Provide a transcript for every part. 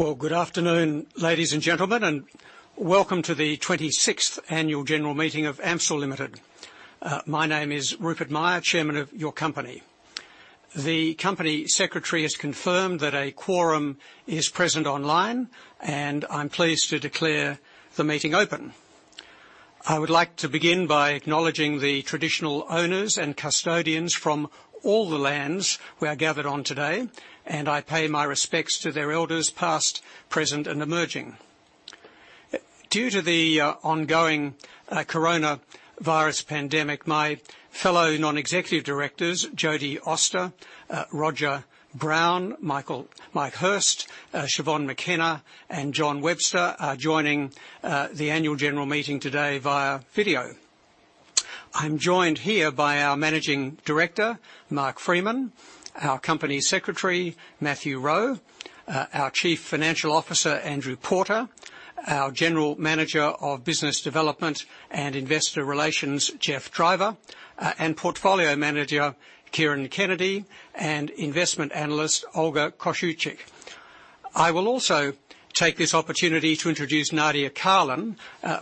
Well, good afternoon, ladies and gentlemen, and welcome to the 26th Annual General Meeting of AMCIL Limited. My name is Rupert Myer, chairman of your company. The company secretary has confirmed that a quorum is present online, and I'm pleased to declare the meeting open. I would like to begin by acknowledging the traditional owners and custodians from all the lands we are gathered on today, and I pay my respects to their elders, past, present, and emerging. Due to the ongoing coronavirus pandemic, my fellow non-executive directors, Jodie Auster, Roger Brown, Mike Hirst, Siobhan McKenna, and Jon Webster are joining the annual general meeting today via video. I'm joined here by our managing director, Mark Freeman, our company secretary, Matthew Rowe, our chief financial officer, Andrew Porter, our general manager of business development and investor relations, Geoffrey Driver, and portfolio manager, Kieran Kennedy, and investment analyst, Olga Kosciuczyk. I will also take this opportunity to introduce Nadia Carlin,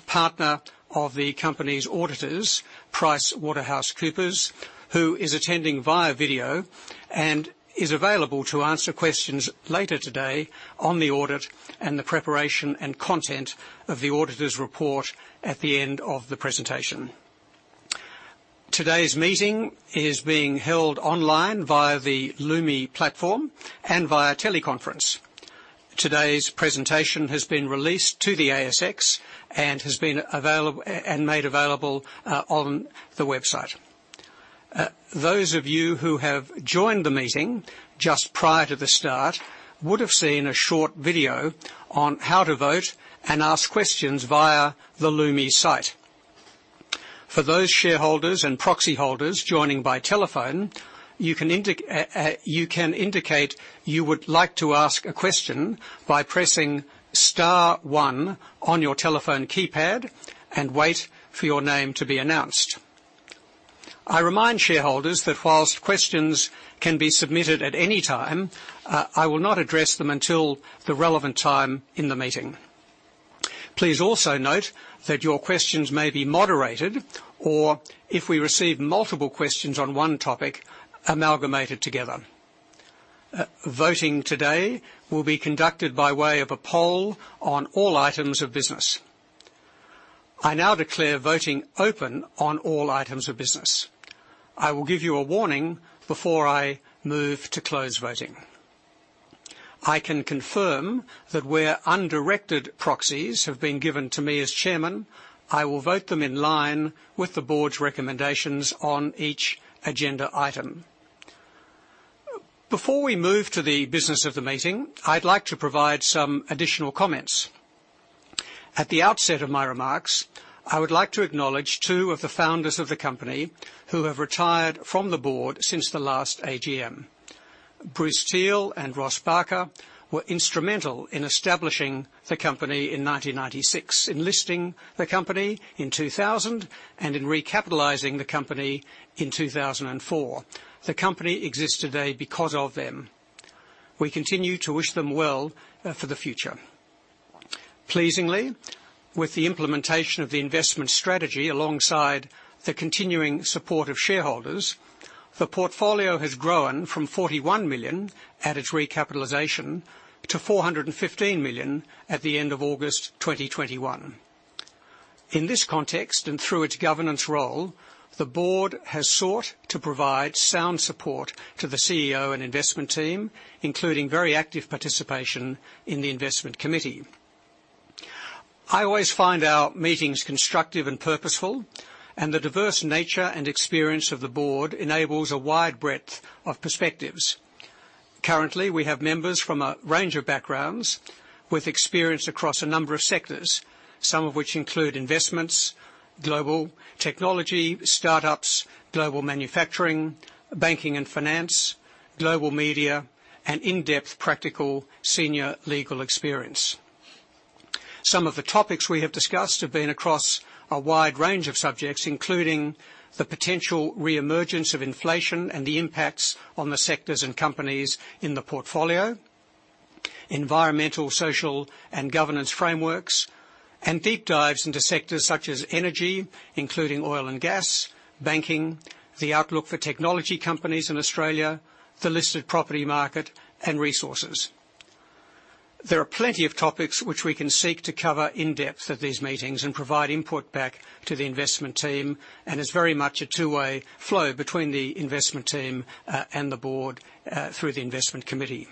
partner of the company's auditors, PricewaterhouseCoopers, who is attending via video and is available to answer questions later today on the audit and the preparation and content of the auditor's report at the end of the presentation. Today's meeting is being held online via the Lumi platform and via teleconference. Today's presentation has been released to the ASX and made available on the website. Those of you who have joined the meeting just prior to the start would have seen a short video on how to vote and ask questions via the Lumi site. For those shareholders and proxy holders joining by telephone, you can indicate you would like to ask a question by pressing star one on your telephone keypad and wait for your name to be announced. I remind shareholders that while questions can be submitted at any time, I will not address them until the relevant time in the meeting. Please also note that your questions may be moderated or if we receive multiple questions on one topic, amalgamated together. Voting today will be conducted by way of a poll on all items of business. I now declare voting open on all items of business. I will give you a warning before I move to close voting. I can confirm that where undirected proxies have been given to me as chairman, I will vote them in line with the board's recommendations on each agenda item. Before we move to the business of the meeting, I'd like to provide some additional comments. At the outset of my remarks, I would like to acknowledge two of the founders of the company who have retired from the Board since the last AGM. Bruce Teele and Ross Barker were instrumental in establishing the company in 1996, in listing the company in 2000, and in recapitalizing the company in 2004. The company exists today because of them. We continue to wish them well for the future. Pleasingly, with the implementation of the investment strategy alongside the continuing support of shareholders, the portfolio has grown from 41 million at its recapitalization to 415 million at the end of August 2021. In this context and through its governance role, the Board has sought to provide sound support to the CEO and investment team, including very active participation in the Investment Committee. I always find our meetings constructive and purposeful, and the diverse nature and experience of the board enables a wide breadth of perspectives. Currently, we have members from a range of backgrounds with experience across a number of sectors, some of which include investments, global technology, startups, global manufacturing, banking and finance, global media, and in-depth practical senior legal experience. Some of the topics we have discussed have been across a wide range of subjects, including the potential reemergence of inflation and the impacts on the sectors and companies in the portfolio, environmental, social, and governance frameworks, and deep dives into sectors such as energy, including oil and gas, banking, the outlook for technology companies in Australia, the listed property market, and resources. There are plenty of topics which we can seek to cover in depth at these meetings and provide input back to the investment team, and it's very much a two-way flow between the investment team and the board through the investment committee.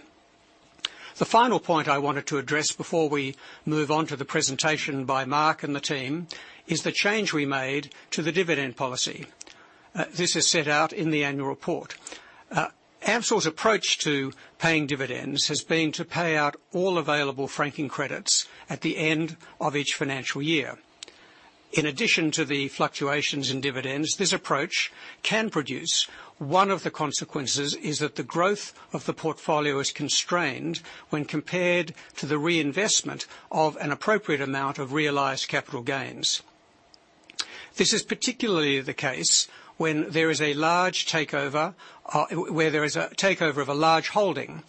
The final point I wanted to address before we move on to the presentation by Mark and the team is the change we made to the dividend policy. This is set out in the annual report. AMCIL's approach to paying dividends has been to pay out all available franking credits at the end of each financial year. In addition to the fluctuations in dividends, this approach can produce one of the consequences is that the growth of the portfolio is constrained when compared to the reinvestment of an appropriate amount of realized capital gains. This is particularly the case when there is a takeover of a large holding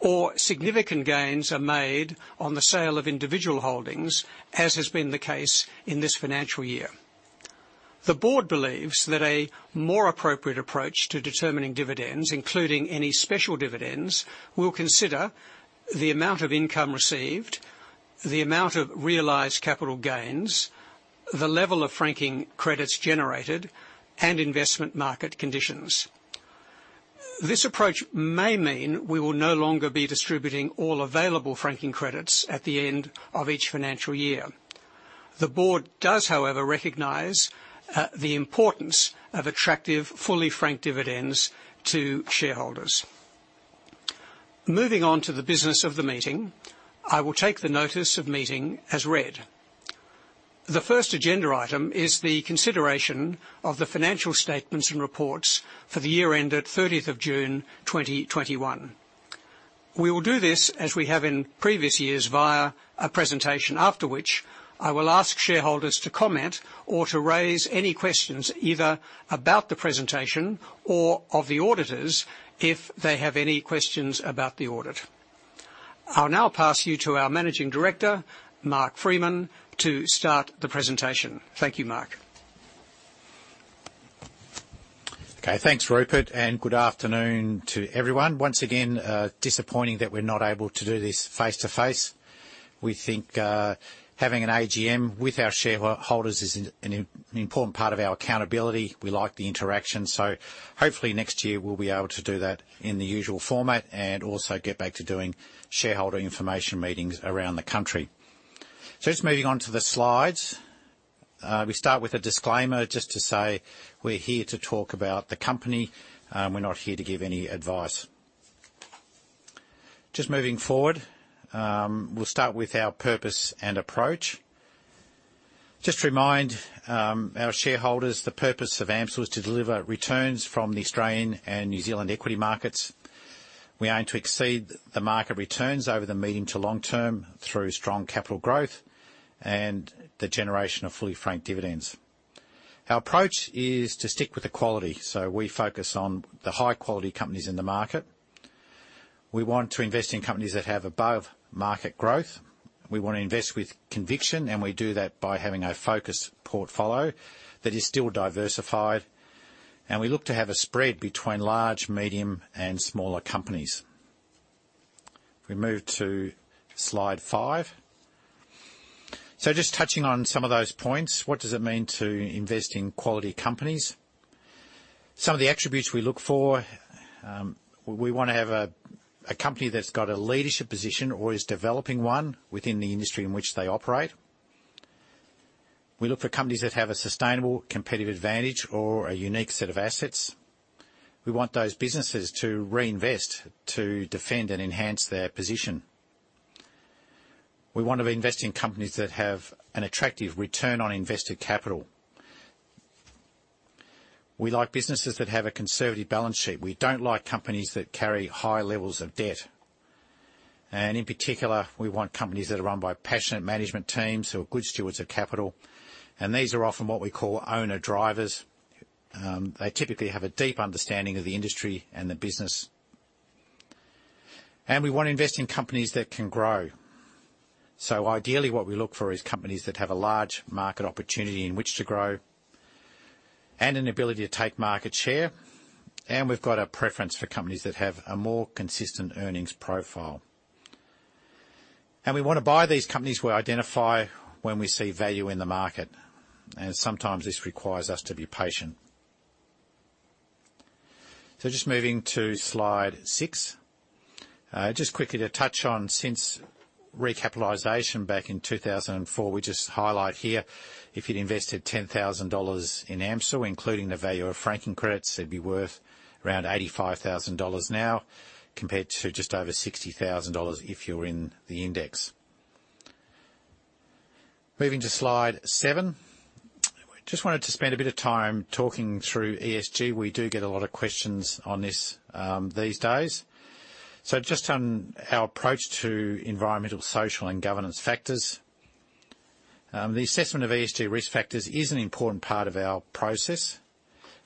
or significant gains are made on the sale of individual holdings, as has been the case in this financial year. The board believes that a more appropriate approach to determining dividends, including any special dividends, will consider the amount of income received, the amount of realized capital gains, the level of franking credits generated, and investment market conditions. This approach may mean we will no longer be distributing all available franking credits at the end of each financial year. The board does, however, recognize the importance of attractive, fully franked dividends to shareholders. Moving on to the business of the meeting, I will take the notice of meeting as read. The first agenda item is the consideration of the financial statements and reports for the year ended June 30th, 2021. We will do this, as we have in previous years, via a presentation. After which, I will ask shareholders to comment or to raise any questions, either about the presentation or of the auditors if they have any questions about the audit. I'll now pass you to our managing director, Mark Freeman, to start the presentation. Thank you, Mark. Okay. Thanks, Rupert. Good afternoon to everyone. Once again, disappointing that we're not able to do this face-to-face. We think having an AGM with our shareholders is an important part of our accountability. We like the interaction. Hopefully next year we'll be able to do that in the usual format and also get back to doing shareholder information meetings around the country. Just moving on to the slides. We start with a disclaimer just to say we're here to talk about the company. We're not here to give any advice. Just moving forward. We'll start with our purpose and approach. Just to remind our shareholders, the purpose of AMCIL is to deliver returns from the Australian and New Zealand equity markets. We aim to exceed the market returns over the medium to long term through strong capital growth and the generation of fully franked dividends. Our approach is to stick with the quality. We focus on the high-quality companies in the market. We want to invest in companies that have above-market growth. We want to invest with conviction, and we do that by having a focused portfolio that is still diversified. We look to have a spread between large, medium, and smaller companies. If we move to slide five. Just touching on some of those points, what does it mean to invest in quality companies? Some of the attributes we look for, we want to have a company that's got a leadership position or is developing one within the industry in which they operate. We look for companies that have a sustainable competitive advantage or a unique set of assets. We want those businesses to reinvest to defend and enhance their position. We want to invest in companies that have an attractive return on invested capital. We like businesses that have a conservative balance sheet. We don't like companies that carry high levels of debt. In particular, we want companies that are run by passionate management teams who are good stewards of capital, and these are often what we call owner-drivers. They typically have a deep understanding of the industry and the business. We want to invest in companies that can grow. Ideally, what we look for is companies that have a large market opportunity in which to grow and an ability to take market share. We've got a preference for companies that have a more consistent earnings profile. We want to buy these companies we identify when we see value in the market, and sometimes this requires us to be patient. Just moving to slide six. Just quickly to touch on, since recapitalization back in 2004, we just highlight here, if you'd invested 10,000 dollars in AMCIL, including the value of franking credits, it'd be worth around 85,000 dollars now, compared to just over 60,000 dollars if you're in the index. Moving to slide seven. Just wanted to spend a bit of time talking through ESG. We do get a lot of questions on this these days. Just on our approach to environmental, social, and governance factors. The assessment of ESG risk factors is an important part of our process,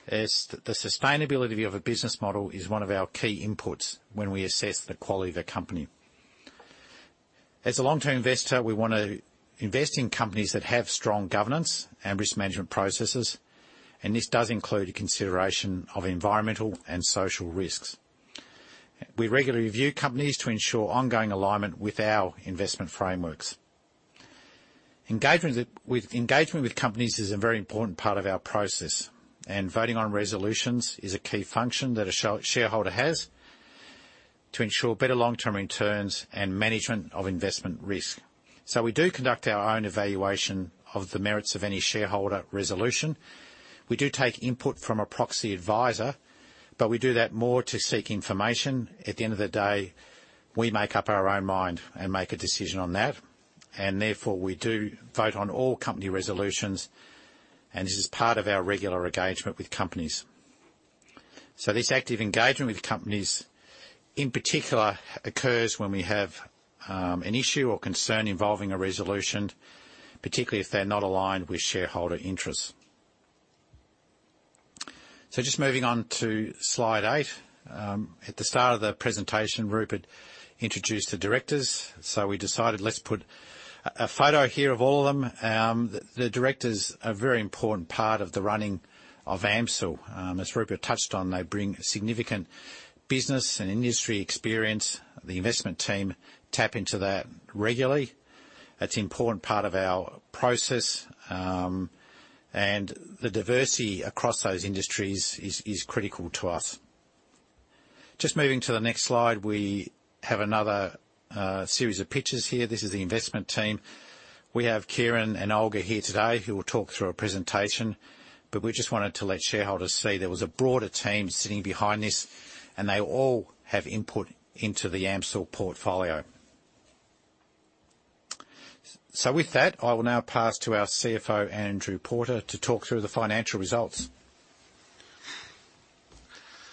as the sustainability of a business model is one of our key inputs when we assess the quality of a company. As a long-term investor, we want to invest in companies that have strong governance and risk management processes, and this does include a consideration of environmental and social risks. We regularly review companies to ensure ongoing alignment with our investment frameworks. Engagement with companies is a very important part of our process, and voting on resolutions is a key function that a shareholder has to ensure better long-term returns and management of investment risk. We do conduct our own evaluation of the merits of any shareholder resolution. We do take input from a proxy advisor, but we do that more to seek information. At the end of the day, we make up our own mind and make a decision on that. Therefore, we do vote on all company resolutions, and this is part of our regular engagement with companies. This active engagement with companies, in particular, occurs when we have an issue or concern involving a resolution, particularly if they're not aligned with shareholder interests. Just moving on to slide eight. At the start of the presentation, Rupert introduced the directors. We decided, let's put a photo here of all of them. The directors are very important part of the running of AMCIL. As Rupert touched on, they bring significant business and industry experience. The investment team tap into that regularly. It's an important part of our process, and the diversity across those industries is critical to us. Just moving to the next slide, we have another series of pictures here. This is the investment team. We have Kieran and Olga here today, who will talk through a presentation, but we just wanted to let shareholders see there was a broader team sitting behind this, and they all have input into the AMCIL portfolio. With that, I will now pass to our CFO, Andrew Porter, to talk through the financial results.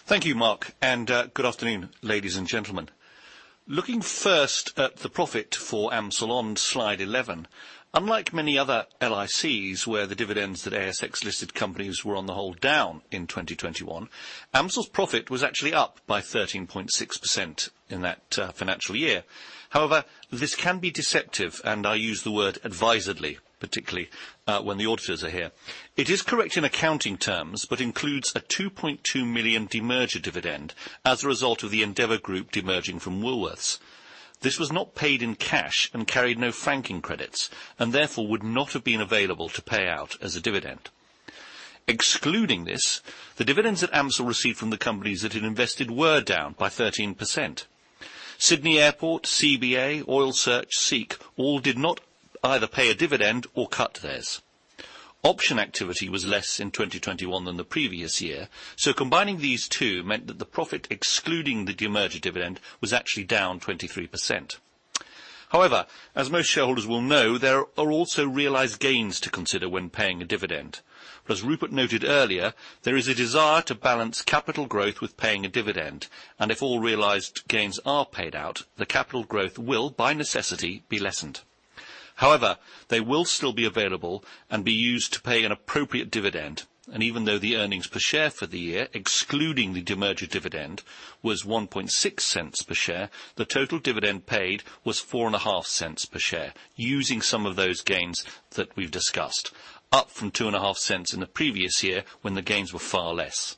Thank you, Mark, and good afternoon, ladies and gentlemen. Looking first at the profit for AMCIL on slide 11. Unlike many other LICs, where the dividends that ASX-listed companies were on the whole down in 2021, AMCIL's profit was actually up by 13.6% in that financial year. However, this can be deceptive, and I use the word advisedly, particularly, when the auditors are here. It is correct in accounting terms, but includes an 2.2 million demerger dividend as a result of the Endeavour Group demerging from Woolworths. This was not paid in cash and carried no franking credits, and therefore would not have been available to pay out as a dividend. Excluding this, the dividends that AMCIL received from the companies that it invested were down by 13%. Sydney Airport, CBA, Oil Search, SEEK, all did not either pay a dividend or cut theirs. Option activity was less in 2021 than the previous year, combining these two meant that the profit excluding the demerger dividend was actually down 23%. However, as most shareholders will know, there are also realized gains to consider when paying a dividend. As Rupert noted earlier, there is a desire to balance capital growth with paying a dividend, and if all realized gains are paid out, the capital growth will, by necessity, be lessened. However, they will still be available and be used to pay an appropriate dividend. Even though the earnings per share for the year, excluding the demerger dividend, was 0.016 per share, the total dividend paid was 0.045 per share using some of those gains that we've discussed, up from 0.025 in the previous year when the gains were far less.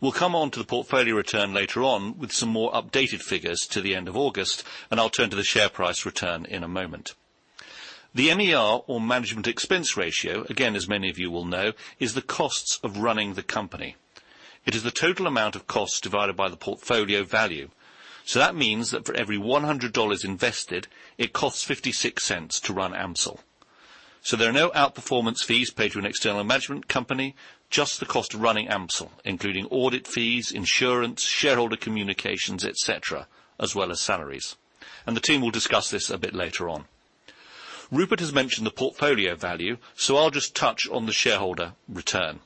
We'll come on to the portfolio return later on with some more updated figures to the end of August, and I'll turn to the share price return in a moment. The MER or management expense ratio, again, as many of you will know, is the costs of running the company. It is the total amount of costs divided by the portfolio value. That means that for every 100 dollars invested, it costs 0.56 to run AMCIL. There are no outperformance fees paid to an external management company, just the cost of running AMCIL, including audit fees, insurance, shareholder communications, et cetera, as well as salaries. The team will discuss this a bit later on. Rupert has mentioned the portfolio value. I'll just touch on the shareholder return,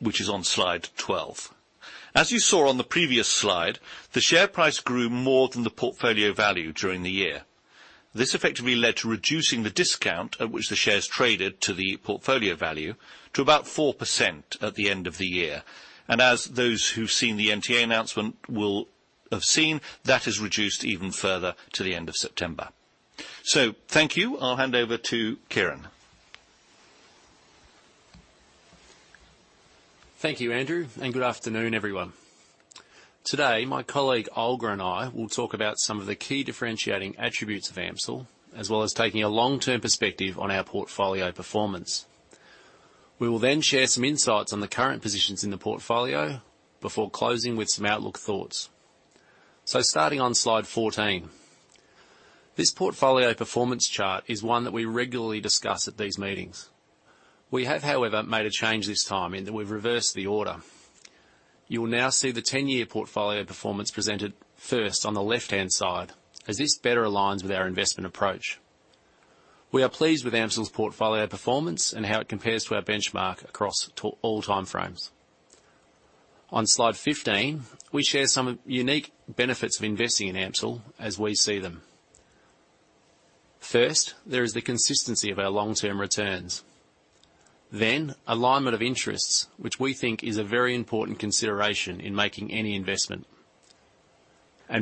which is on slide 12. As you saw on the previous slide, the share price grew more than the portfolio value during the year. This effectively led to reducing the discount at which the shares traded to the portfolio value to about 4% at the end of the year. As those who've seen the NTA announcement will have seen, that has reduced even further to the end of September. Thank you. I'll hand over to Kieran. Thank you, Andrew. Good afternoon, everyone. Today, my colleague Olga and I will talk about some of the key differentiating attributes of AMCIL, as well as taking a long-term perspective on our portfolio performance. We will share some insights on the current positions in the portfolio before closing with some outlook thoughts. Starting on slide 14. This portfolio performance chart is one that we regularly discuss at these meetings. We have, however, made a change this time in that we've reversed the order. You will now see the 10-year portfolio performance presented first on the left-hand side, as this better aligns with our investment approach. We are pleased with AMCIL's portfolio performance and how it compares to our benchmark across to all time frames. On slide 15, we share some unique benefits of investing in AMCIL as we see them. First, there is the consistency of our long-term returns. Alignment of interests, which we think is a very important consideration in making any investment.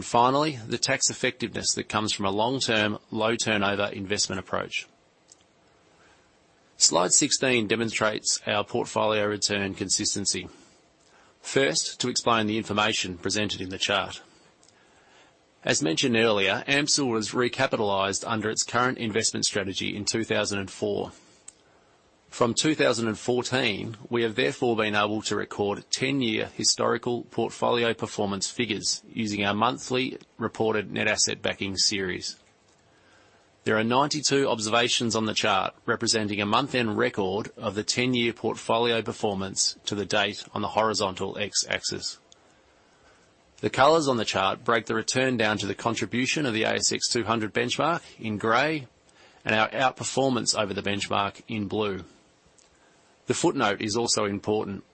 Finally, the tax effectiveness that comes from a long-term, low turnover investment approach. Slide 16 demonstrates our portfolio return consistency. First, to explain the information presented in the chart. As mentioned earlier, AMCIL was recapitalized under its current investment strategy in 2004. From 2014, we have therefore been able to record 10-year historical portfolio performance figures using our monthly reported net asset backing series. There are 92 observations on the chart representing a month-end record of the 10-year portfolio performance to the date on the horizontal x-axis. The colors on the chart break the return down to the contribution of the S&P/ASX 200 benchmark in gray and our outperformance over the benchmark in blue. The footnote is also important.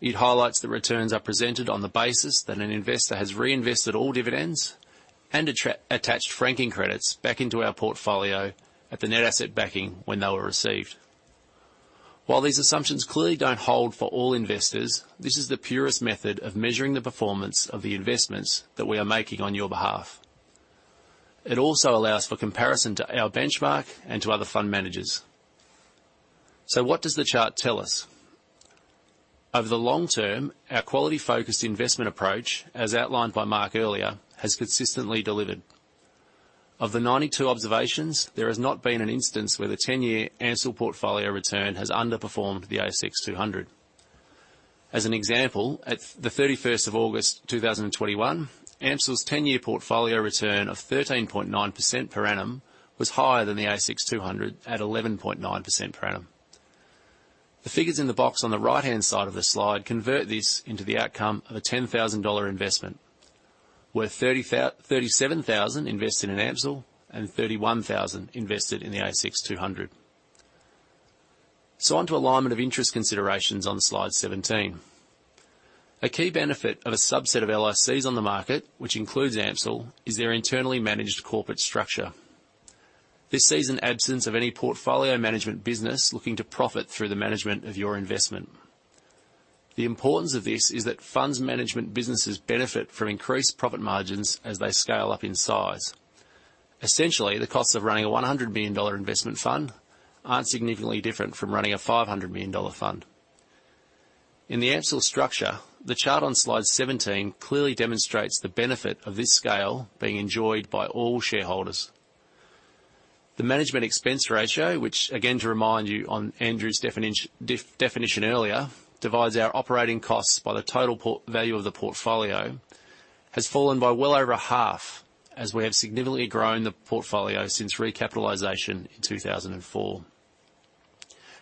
It highlights that returns are presented on the basis that an investor has reinvested all dividends and attached franking credits back into our portfolio at the net asset backing when they were received. While these assumptions clearly don't hold for all investors, this is the purest method of measuring the performance of the investments that we are making on your behalf. It also allows for comparison to our benchmark and to other fund managers. What does the chart tell us? Over the long term, our quality-focused investment approach, as outlined by Mark earlier, has consistently delivered. Of the 92 observations, there has not been an instance where the 10-year AMCIL portfolio return has underperformed the S&P/ASX 200. As an example, at the 31st of August 2021, AMCIL's 10-year portfolio return of 13.9% per annum was higher than the ASX 200 at 11.9% per annum. The figures in the box on the right-hand side of the slide convert this into the outcome of a 10,000 dollar investment, where 37,000 invested in AMCIL and 31,000 invested in the ASX 200. On to alignment of interest considerations on slide 17. A key benefit of a subset of LICs on the market, which includes AMCIL, is their internally managed corporate structure. This sees an absence of any portfolio management business looking to profit through the management of your investment. The importance of this is that funds management businesses benefit from increased profit margins as they scale up in size. Essentially, the costs of running an 100 million dollar investment fund aren't significantly different from running an 500 million dollar fund. In the AMCIL structure, the chart on slide 17 clearly demonstrates the benefit of this scale being enjoyed by all shareholders. The management expense ratio, which again to remind you on Andrew's definition earlier, divides our operating costs by the total value of the portfolio, has fallen by well over half as we have significantly grown the portfolio since recapitalization in 2004.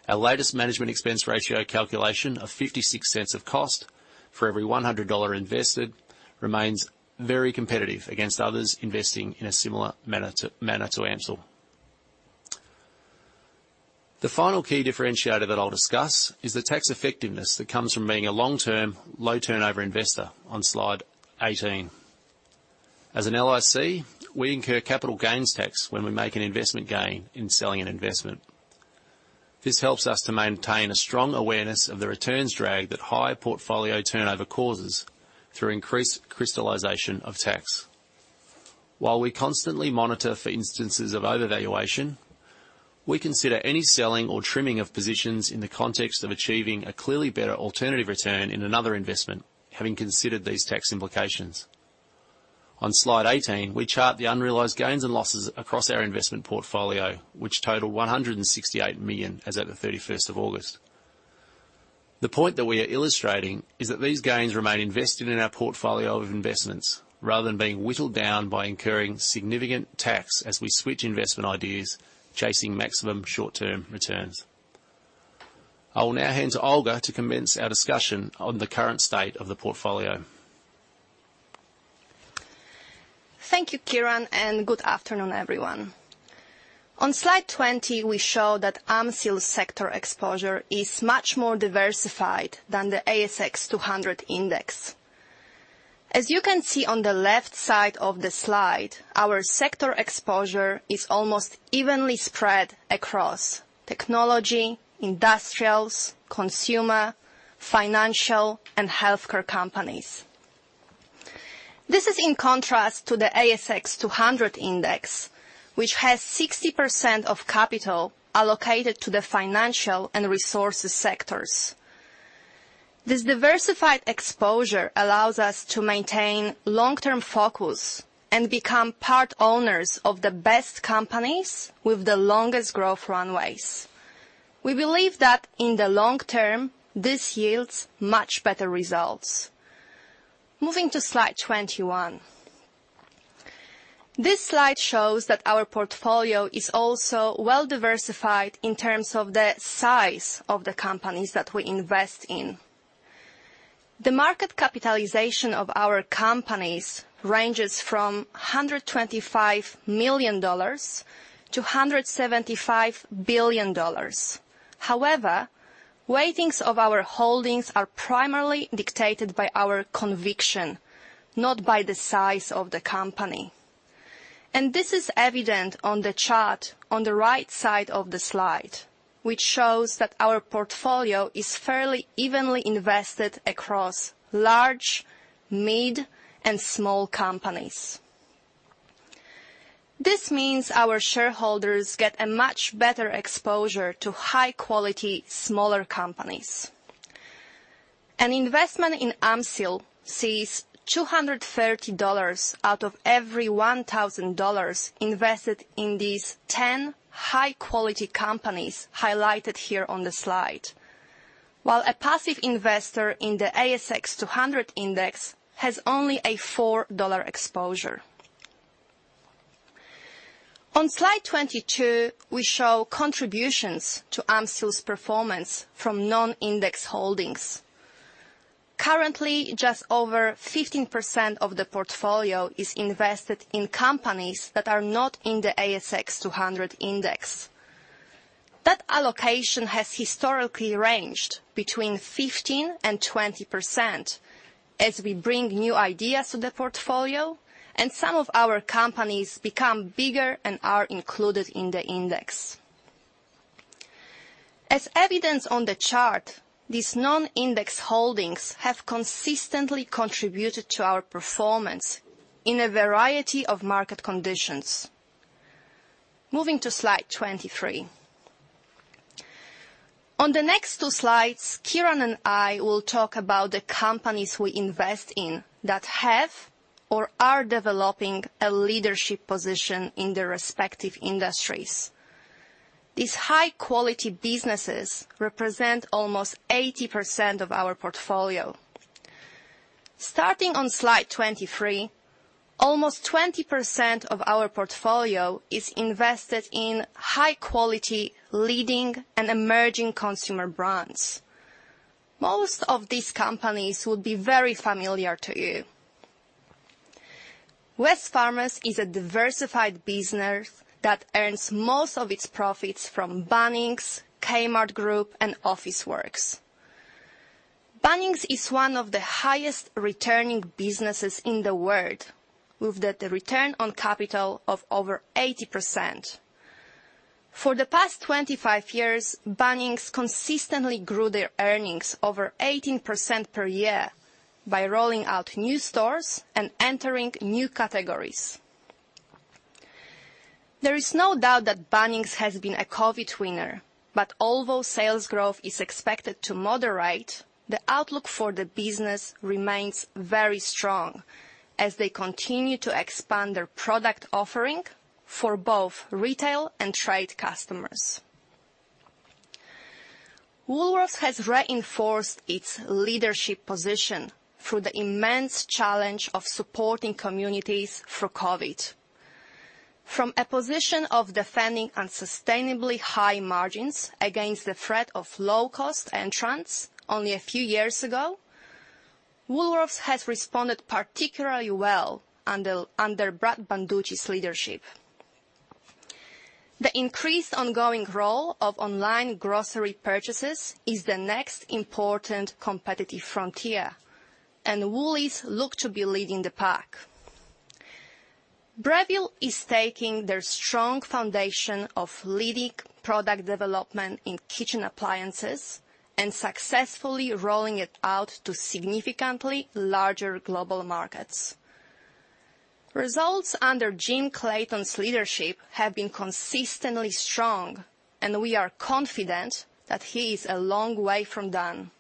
Our latest management expense ratio calculation of 0.56 of cost for every 100 dollar invested remains very competitive against others investing in a similar manner to AMCIL. The final key differentiator that I'll discuss is the tax effectiveness that comes from being a long-term, low-turnover investor on slide 18. As an LIC, we incur capital gains tax when we make an investment gain in selling an investment. This helps us to maintain a strong awareness of the returns drag that high portfolio turnover causes through increased crystallization of tax. While we constantly monitor for instances of overvaluation, we consider any selling or trimming of positions in the context of achieving a clearly better alternative return in another investment, having considered these tax implications. On slide 18, we chart the unrealized gains and losses across our investment portfolio, which total 168 million as at the 31st of August. The point that we are illustrating is that these gains remain invested in our portfolio of investments, rather than being whittled down by incurring significant tax as we switch investment ideas chasing maximum short-term returns. I will now hand to Olga to commence our discussion on the current state of the portfolio. Thank you, Kieran, and good afternoon, everyone. On slide 20, we show that AMCIL's sector exposure is much more diversified than the S&P/ASX 200 index. As you can see on the left side of the slide, our sector exposure is almost evenly spread across technology, industrials, consumer, financial, and healthcare companies. This is in contrast to the S&P/ASX 200 index, which has 60% of capital allocated to the financial and resources sectors. This diversified exposure allows us to maintain long-term focus and become part owners of the best companies with the longest growth runways. We believe that in the long term, this yields much better results. Moving to slide 21. This slide shows that our portfolio is also well diversified in terms of the size of the companies that we invest in. The market capitalization of our companies ranges from 125 million-175 billion dollars. However, weightings of our holdings are primarily dictated by our conviction, not by the size of the company. This is evident on the chart on the right side of the slide, which shows that our portfolio is fairly evenly invested across large, mid, and small companies. This means our shareholders get a much better exposure to high-quality smaller companies. An investment in AMCIL sees 230 dollars out of every 1,000 dollars invested in these 10 high-quality companies highlighted here on the slide. While a passive investor in the ASX 200 index has only a 4 dollar exposure. On slide 22, we show contributions to AMCIL's performance from non-index holdings. Currently, just over 15% of the portfolio is invested in companies that are not in the ASX 200 index. That allocation has historically ranged between 15% and 20% as we bring new ideas to the portfolio and some of our companies become bigger and are included in the index. As evidenced on the chart, these non-index holdings have consistently contributed to our performance in a variety of market conditions. Moving to slide 23. On the next two slides, Kieran and I will talk about the companies we invest in that have or are developing a leadership position in their respective industries. These high-quality businesses represent almost 80% of our portfolio. Starting on slide 23, almost 20% of our portfolio is invested in high-quality leading and emerging consumer brands. Most of these companies would be very familiar to you. Wesfarmers is a diversified business that earns most of its profits from Bunnings, Kmart Group, and Officeworks. Bunnings is one of the highest returning businesses in the world, with the return on capital of over 80%. For the past 25 years, Bunnings consistently grew their earnings over 18% per year by rolling out new stores and entering new categories. There is no doubt that Bunnings has been a COVID winner, but although sales growth is expected to moderate, the outlook for the business remains very strong as they continue to expand their product offering for both retail and trade customers. Woolworths has reinforced its leadership position through the immense challenge of supporting communities through COVID. From a position of defending unsustainably high margins against the threat of low-cost entrants only a few years ago, Woolworths has responded particularly well under Brad Banducci's leadership. The increased ongoing role of online grocery purchases is the next important competitive frontier, and Woolies look to be leading the pack. Breville is taking their strong foundation of leading product development in kitchen appliances and successfully rolling it out to significantly larger global markets. Results under Jim Clayton's leadership have been consistently strong, and we are confident that he is a long way from done.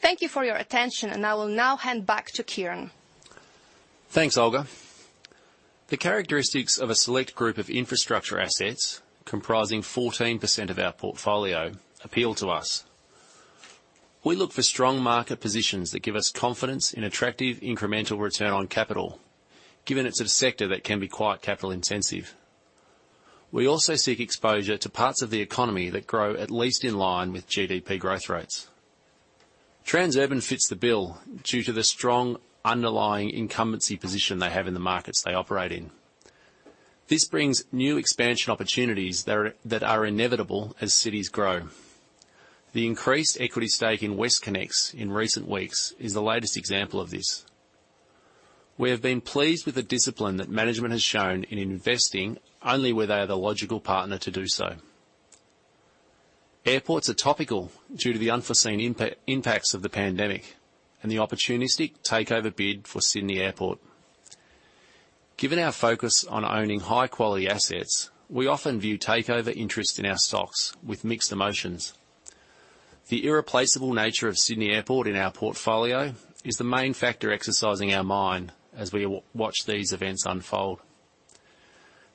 Thank you for your attention, and I will now hand back to Kieran. Thanks, Olga. The characteristics of a select group of infrastructure assets comprising 14% of our portfolio appeal to us. We look for strong market positions that give us confidence in attractive incremental return on capital, given it's a sector that can be quite capital intensive. We also seek exposure to parts of the economy that grow at least in line with GDP growth rates. Transurban fits the bill due to the strong underlying incumbency position they have in the markets they operate in. This brings new expansion opportunities that are inevitable as cities grow. The increased equity stake in WestConnex in recent weeks is the latest example of this. We have been pleased with the discipline that management has shown in investing only where they are the logical partner to do so. Airports are topical due to the unforeseen impacts of the pandemic and the opportunistic takeover bid for Sydney Airport. Given our focus on owning high-quality assets, we often view takeover interest in our stocks with mixed emotions. The irreplaceable nature of Sydney Airport in our portfolio is the main factor exercising our mind as we watch these events unfold.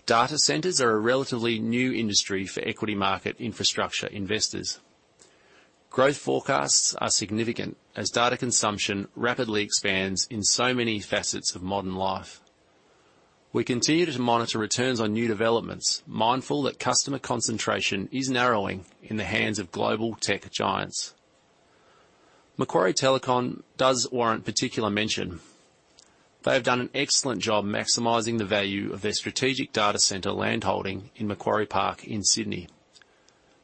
Data centers are a relatively new industry for equity market infrastructure investors. Growth forecasts are significant as data consumption rapidly expands in so many facets of modern life. We continue to monitor returns on new developments, mindful that customer concentration is narrowing in the hands of global tech giants. Macquarie Telecom does warrant particular mention. They have done an excellent job maximizing the value of their strategic data center land holding in Macquarie Park in Sydney.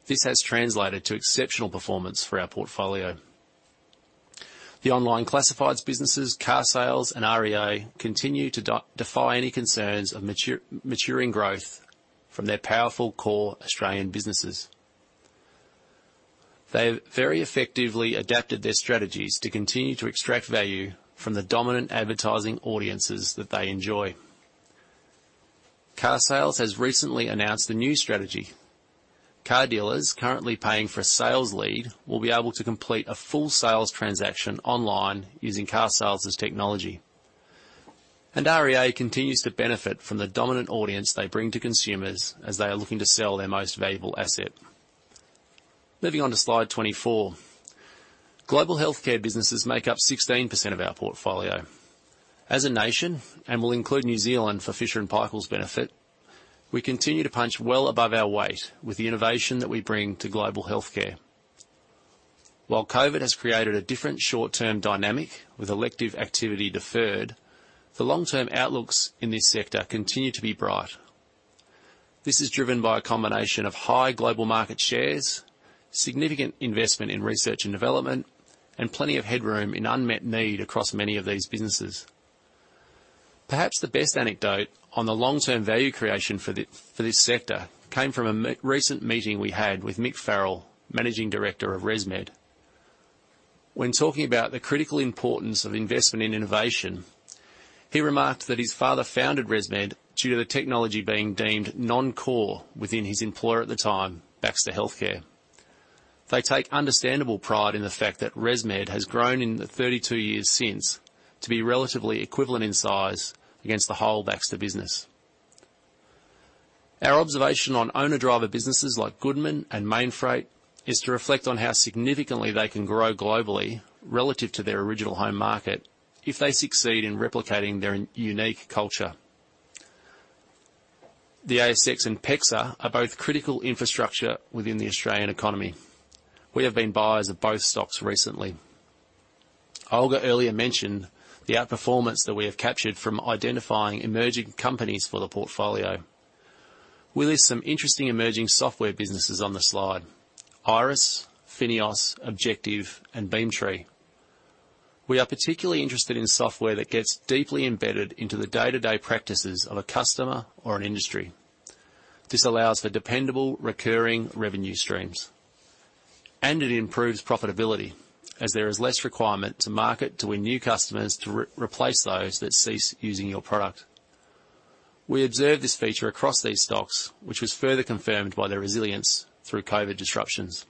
This has translated to exceptional performance for our portfolio. The online classifieds businesses, CarSales and REA, continue to defy any concerns of maturing growth from their powerful core Australian businesses. They've very effectively adapted their strategies to continue to extract value from the dominant advertising audiences that they enjoy. CarSales has recently announced a new strategy. Car dealers currently paying for a sales lead will be able to complete a full sales transaction online using CarSales's technology. REA continues to benefit from the dominant audience they bring to consumers as they are looking to sell their most valuable asset. Moving on to slide 24. Global healthcare businesses make up 16% of our portfolio. As a nation, and we'll include New Zealand for Fisher & Paykel's benefit, we continue to punch well above our weight with the innovation that we bring to global healthcare. While COVID has created a different short-term dynamic with elective activity deferred, the long-term outlooks in this sector continue to be bright. This is driven by a combination of high global market shares, significant investment in research and development, and plenty of headroom in unmet need across many of these businesses. Perhaps the best anecdote on the long-term value creation for this sector came from a recent meeting we had with Mick Farrell, Managing Director of ResMed. When talking about the critical importance of investment in innovation, he remarked that his father founded ResMed due to the technology being deemed non-core within his employer at the time, Baxter Healthcare. They take understandable pride in the fact that ResMed has grown in the 32 years since to be relatively equivalent in size against the whole Baxter business. Our observation on owner-driver businesses like Goodman and Mainfreight is to reflect on how significantly they can grow globally relative to their original home market if they succeed in replicating their unique culture. The ASX and PEXA are both critical infrastructure within the Australian economy. We have been buyers of both stocks recently. Olga earlier mentioned the outperformance that we have captured from identifying emerging companies for the portfolio. We list some interesting emerging software businesses on the slide, Iress, FINEOS, Objective, and Bravura. We are particularly interested in software that gets deeply embedded into the day-to-day practices of a customer or an industry. This allows for dependable recurring revenue streams, and it improves profitability as there is less requirement to market to win new customers to replace those that cease using your product. We observed this feature across these stocks, which was further confirmed by their resilience through COVID disruptions.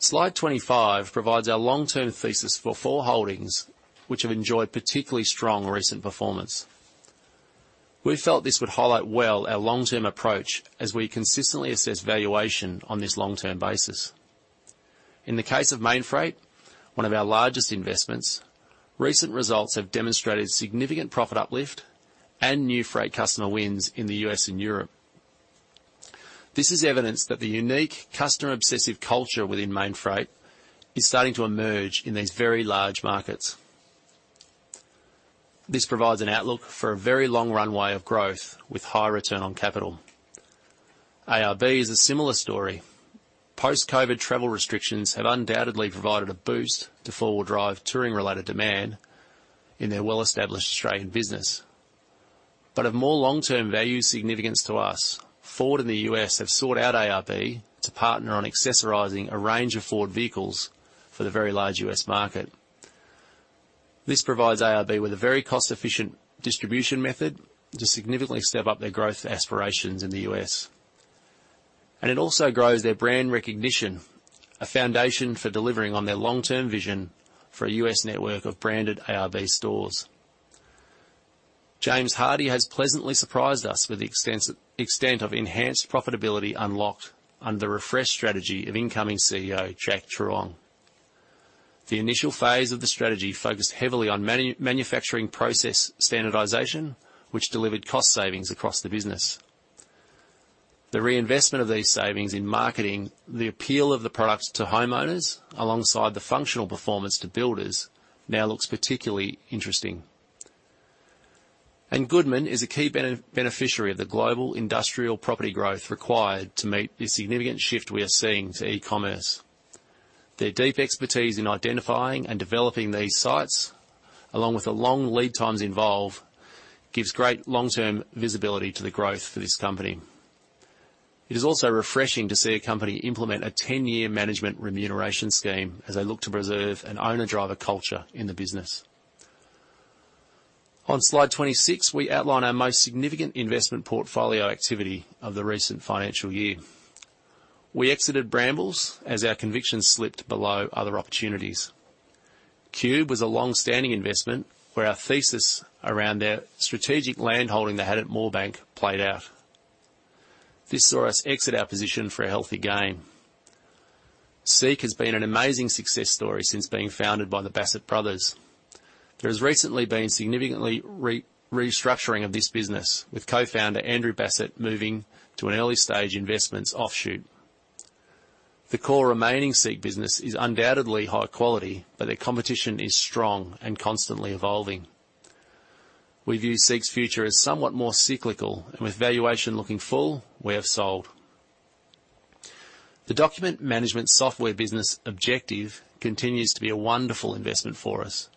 Slide 25 provides our long-term thesis for four holdings, which have enjoyed particularly strong recent performance. We felt this would highlight well our long-term approach as we consistently assess valuation on this long-term basis. In the case of Mainfreight, one of our largest investments, recent results have demonstrated significant profit uplift and new freight customer wins in the U.S. and Europe. This is evidence that the unique customer-obsessive culture within Mainfreight is starting to emerge in these very large markets. This provides an outlook for a very long runway of growth with high return on capital. ARB is a similar story. Post-COVID travel restrictions have undoubtedly provided a boost to four-wheel drive touring-related demand in their well-established Australian business. Of more long-term value significance to us, Ford in the U.S. have sought out ARB to partner on accessorizing a range of Ford vehicles for the very large U.S. market. This provides ARB with a very cost-efficient distribution method to significantly step up their growth aspirations in the U.S. It also grows their brand recognition, a foundation for delivering on their long-term vision for a U.S. network of branded ARB stores. James Hardie has pleasantly surprised us with the extent of enhanced profitability unlocked under the refreshed strategy of incoming CEO Jack Truong. The initial phase of the strategy focused heavily on manufacturing process standardization, which delivered cost savings across the business. The reinvestment of these savings in marketing the appeal of the products to homeowners alongside the functional performance to builders now looks particularly interesting. Goodman is a key beneficiary of the global industrial property growth required to meet the significant shift we are seeing to e-commerce. Their deep expertise in identifying and developing these sites, along with the long lead times involved, gives great long-term visibility to the growth for this company. It is also refreshing to see a company implement a 10-year management remuneration scheme as they look to preserve an owner-driver culture in the business. On slide 26, we outline our most significant investment portfolio activity of the recent financial year. We exited Brambles as our conviction slipped below other opportunities. Qube was a long-standing investment where our thesis around their strategic land holding they had at Moorebank played out. This saw us exit our position for a healthy gain. SEEK has been an amazing success story since being founded by the Bassat brothers. There has recently been significantly restructuring of this business, with co-founder Andrew Bassat moving to an early-stage investments offshoot. The core remaining SEEK business is undoubtedly high quality. Their competition is strong and constantly evolving. We view SEEK's future as somewhat more cyclical and with valuation looking full, we have sold. The document management software business Objective continues to be a wonderful investment for us.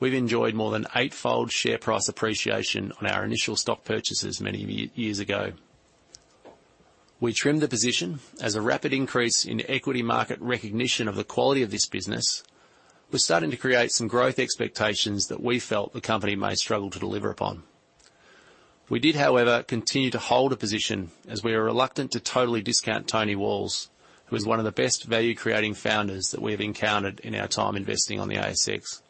We've enjoyed more than eightfold share price appreciation on our initial stock purchases many years ago. We trimmed the position as a rapid increase in equity market recognition of the quality of this business was starting to create some growth expectations that we felt the company may struggle to deliver upon. We did, however, continue to hold a position as we are reluctant to totally discount Tony Walls, who is one of the best value-creating founders that we have encountered in our time investing on the ASX.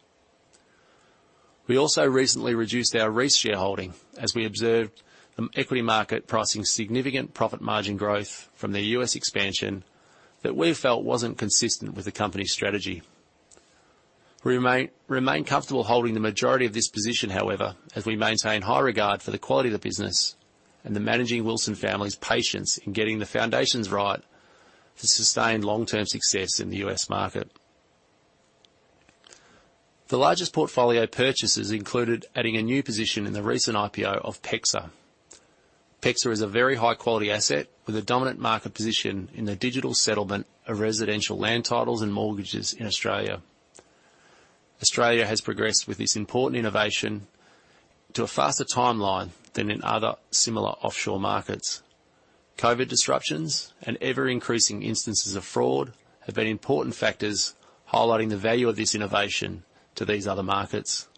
We also recently reduced our Reece shareholding as we observed the equity market pricing significant profit margin growth from the U.S. expansion that we felt wasn't consistent with the company strategy. We remain comfortable holding the majority of this position, however, as we maintain high regard for the quality of the business and the managing Wilson family's patience in getting the foundations right to sustain long-term success in the U.S. market. The largest portfolio purchases included adding a new position in the recent IPO of PEXA. PEXA is a very high-quality asset with a dominant market position in the digital settlement of residential land titles and mortgages in Australia. Australia has progressed with this important innovation to a faster timeline than in other similar offshore markets. COVID disruptions and ever-increasing instances of fraud have been important factors highlighting the value of this innovation to these other markets.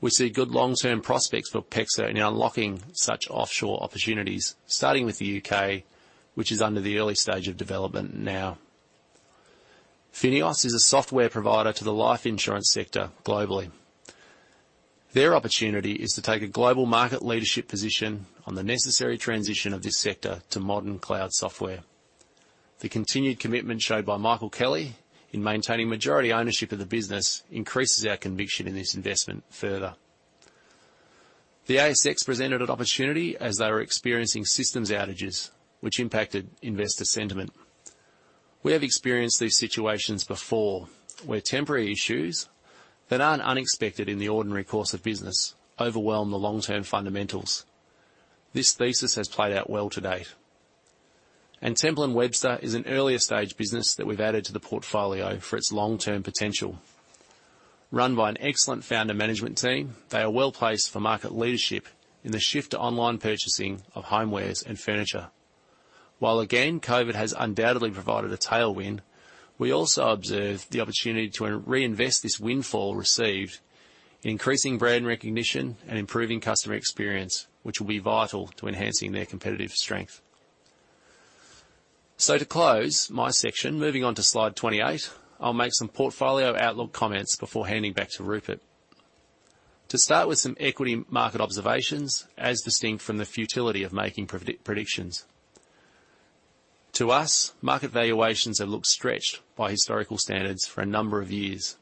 We see good long-term prospects for PEXA in unlocking such offshore opportunities, starting with the U.K., which is under the early stage of development now. FINEOS is a software provider to the life insurance sector globally. Their opportunity is to take a global market leadership position on the necessary transition of this sector to modern cloud software. The continued commitment showed by Michael Kelly in maintaining majority ownership of the business increases our conviction in this investment further. The ASX presented an opportunity as they were experiencing systems outages, which impacted investor sentiment. We have experienced these situations before, where temporary issues that aren't unexpected in the ordinary course of business overwhelm the long-term fundamentals. This thesis has played out well to date. Temple & Webster is an earlier stage business that we've added to the portfolio for its long-term potential. Run by an excellent founder management team, they are well-placed for market leadership in the shift to online purchasing of homewares and furniture. While again, COVID has undoubtedly provided a tailwind, we also observe the opportunity to reinvest this windfall received in increasing brand recognition and improving customer experience, which will be vital to enhancing their competitive strength. To close my section, moving on to slide 28, I'll make some portfolio outlook comments before handing back to Rupert. To start with some equity market observations, as distinct from the futility of making predictions. To us, market valuations have looked stretched by historical standards for a number of years.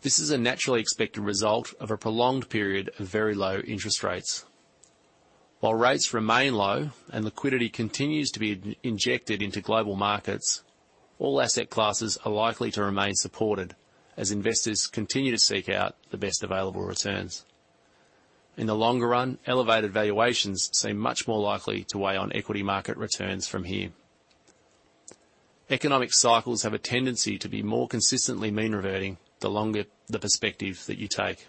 This is a naturally expected result of a prolonged period of very low interest rates. While rates remain low and liquidity continues to be injected into global markets, all asset classes are likely to remain supported as investors continue to seek out the best available returns. In the longer run, elevated valuations seem much more likely to weigh on equity market returns from here. Economic cycles have a tendency to be more consistently mean reverting the longer the perspective that you take.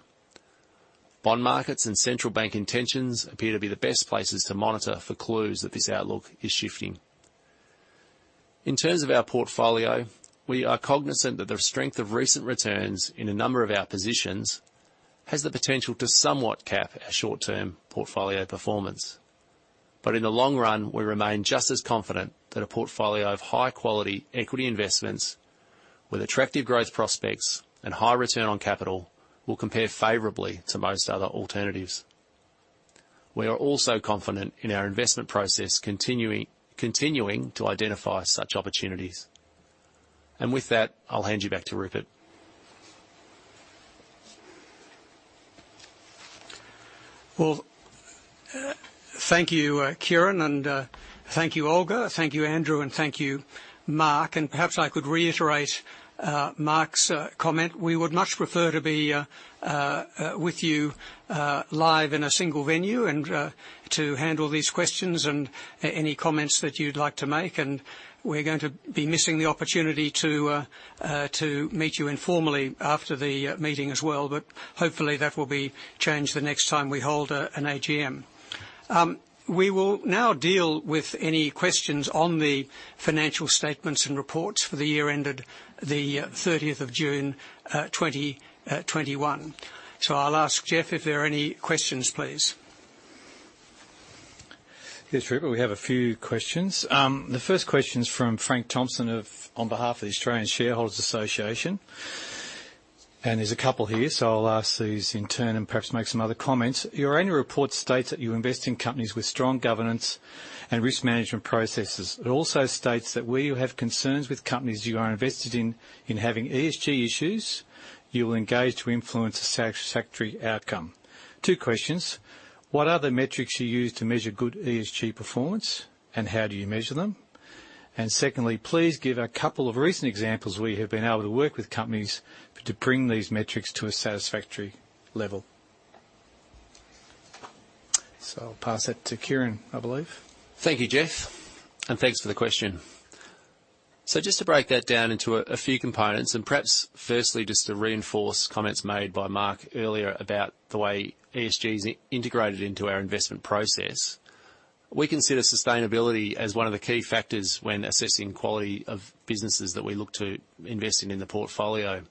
Bond markets and central bank intentions appear to be the best places to monitor for clues that this outlook is shifting. In terms of our portfolio, we are cognizant that the strength of recent returns in a number of our positions has the potential to somewhat cap our short-term portfolio performance. In the long run, we remain just as confident that a portfolio of high-quality equity investments with attractive growth prospects and high return on capital will compare favorably to most other alternatives. We are also confident in our investment process continuing to identify such opportunities. With that, I'll hand you back to Rupert. Well, thank you, Kieran, and thank you, Olga, thank you, Andrew, and thank you, Mark. Perhaps I could reiterate Mark's comment. We would much prefer to be with you live in a single venue and to handle these questions and any comments that you'd like to make. We're going to be missing the opportunity to meet you informally after the meeting as well. Hopefully, that will be changed the next time we hold an AGM. We will now deal with any questions on the financial statements and reports for the year ended the June 30th, 2021. I'll ask Geoff Driver if there are any questions, please. Yes, Rupert, we have a few questions. The first question is from Frank Thompson on behalf of the Australian Shareholders' Association. There's a couple here, so I'll ask these in turn and perhaps make some other comments. "Your annual report states that you invest in companies with strong governance and risk management processes. It also states that where you have concerns with companies you are invested in having ESG issues, you will engage to influence a satisfactory outcome. Two questions: What other metrics you use to measure good ESG performance, and how do you measure them? Secondly, please give a couple of recent examples where you have been able to work with companies to bring these metrics to a satisfactory level." So I'll pass that to Kieran, I believe. Thank you, Geoff, and thanks for the question. Just to break that down into a few components, and perhaps firstly, just to reinforce comments made by Mark Freeman earlier about the way ESG is integrated into our investment process. We consider sustainability as one of the key factors when assessing quality of businesses that we look to invest in in the portfolio.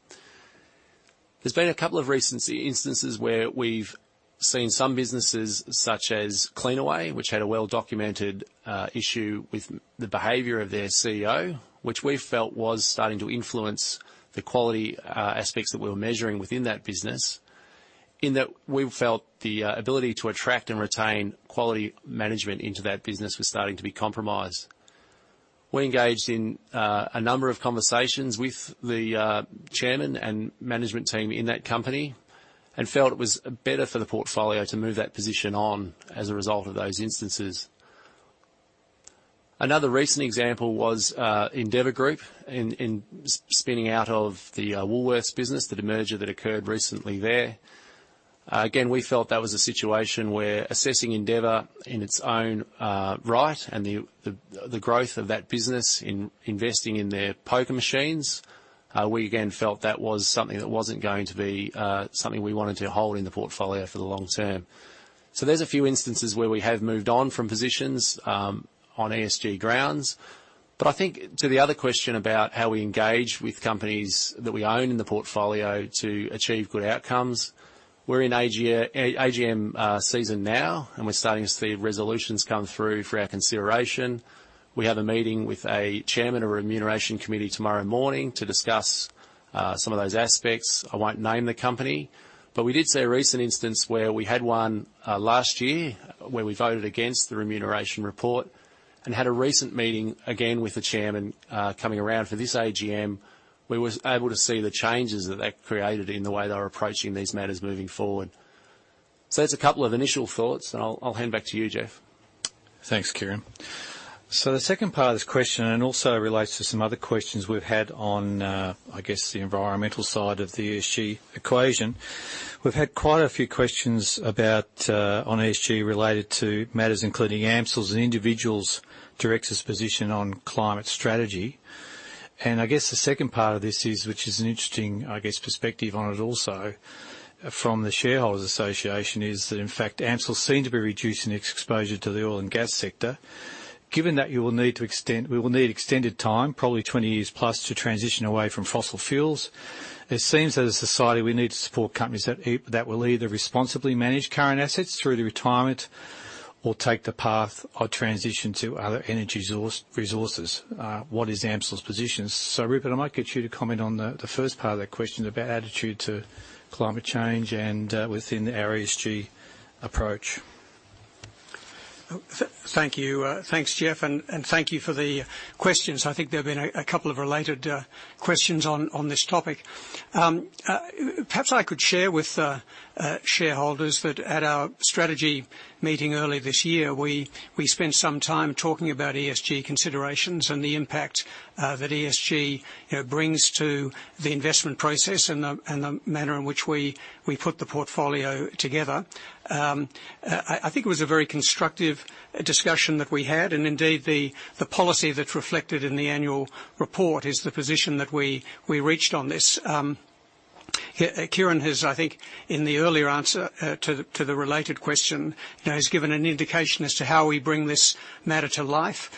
There's been a couple of recent instances where we've seen some businesses such as Cleanaway, which had a well-documented issue with the behavior of their CEO, which we felt was starting to influence the quality aspects that we were measuring within that business, in that we felt the ability to attract and retain quality management into that business was starting to be compromised. We engaged in a number of conversations with the chairman and management team in that company and felt it was better for the portfolio to move that position on as a result of those instances. Another recent example was Endeavour Group in spinning out of the Woolworths business, the demerger that occurred recently there. Again, we felt that was a situation where assessing Endeavour in its own right and the growth of that business in investing in their poker machines, we again felt that was something that wasn't going to be something we wanted to hold in the portfolio for the long term. There's a few instances where we have moved on from positions on ESG grounds. I think to the other question about how we engage with companies that we own in the portfolio to achieve good outcomes, we're in AGM season now, and we're starting to see resolutions come through for our consideration. We have a meeting with a chairman of a remuneration committee tomorrow morning to discuss some of those aspects. I won't name the company, but we did see a recent instance where we had one last year where we voted against the remuneration report and had a recent meeting again with the chairman coming around for this AGM, we were able to see the changes that that created in the way they're approaching these matters moving forward. That's a couple of initial thoughts, and I'll hand back to you, Geoff. Thanks, Kieran. The second part of this question, and also relates to some other questions we've had on, I guess, the environmental side of the ESG equation. We've had quite a few questions about on ESG related to matters including AMCIL's and individual's director's position on climate strategy. I guess the second part of this is, which is an interesting, I guess, perspective on it also from the Shareholders Association, is that in fact, AMCIL seem to be reducing its exposure to the oil and gas sector. Given that we will need extended time, probably 20+ years, to transition away from fossil fuels, it seems that as a society, we need to support companies that will either responsibly manage current assets through the retirement or take the path of transition to other energy resources. What is AMCIL's position? Rupert, I might get you to comment on the first part of that question about attitude to climate change and within our ESG approach. Thank you. Thanks, Geoff, and thank you for the questions. I think there have been a couple of related questions on this topic. Perhaps I could share with shareholders that at our strategy meeting earlier this year, we spent some time talking about ESG considerations and the impact that ESG brings to the investment process and the manner in which we put the portfolio together. I think it was a very constructive discussion that we had. Indeed, the policy that's reflected in the annual report is the position that we reached on this. Kieran has, I think, in the earlier answer to the related question, has given an indication as to how we bring this matter to life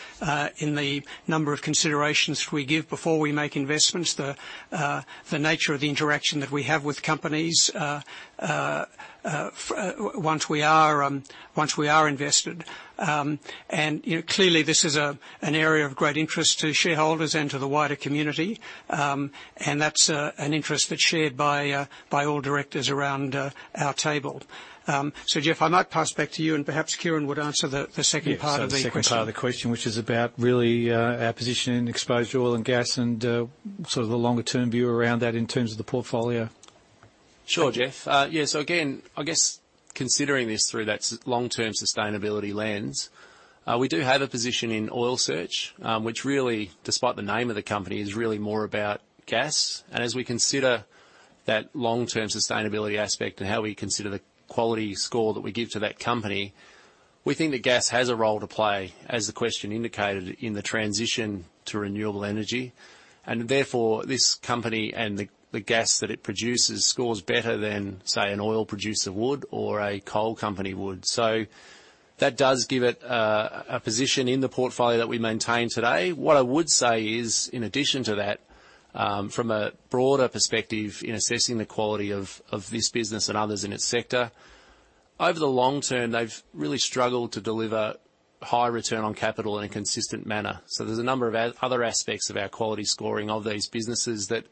in the number of considerations we give before we make investments, the nature of the interaction that we have with companies once we are invested. Clearly, this is an area of great interest to shareholders and to the wider community, and that's an interest that's shared by all directors around our table. Geoff, I might pass back to you and perhaps Kieran would answer the second part of the question. Yeah. The second part of the question, which is about really our position in exposure to oil and gas and sort of the longer-term view around that in terms of the portfolio. Sure, Geoff. Yeah. Again, I guess considering this through that long-term sustainability lens, we do have a position in Oil Search, which really, despite the name of the company, is really more about gas. As we consider that long-term sustainability aspect and how we consider the quality score that we give to that company, we think that gas has a role to play, as the question indicated, in the transition to renewable energy. Therefore, this company and the gas that it produces scores better than, say, an oil producer would or a coal company would. That does give it a position in the portfolio that we maintain today. What I would say is, in addition to that, from a broader perspective in assessing the quality of this business and others in its sector, over the long term, they've really struggled to deliver high return on capital in a consistent manner. There's a number of other aspects of our quality scoring of these businesses that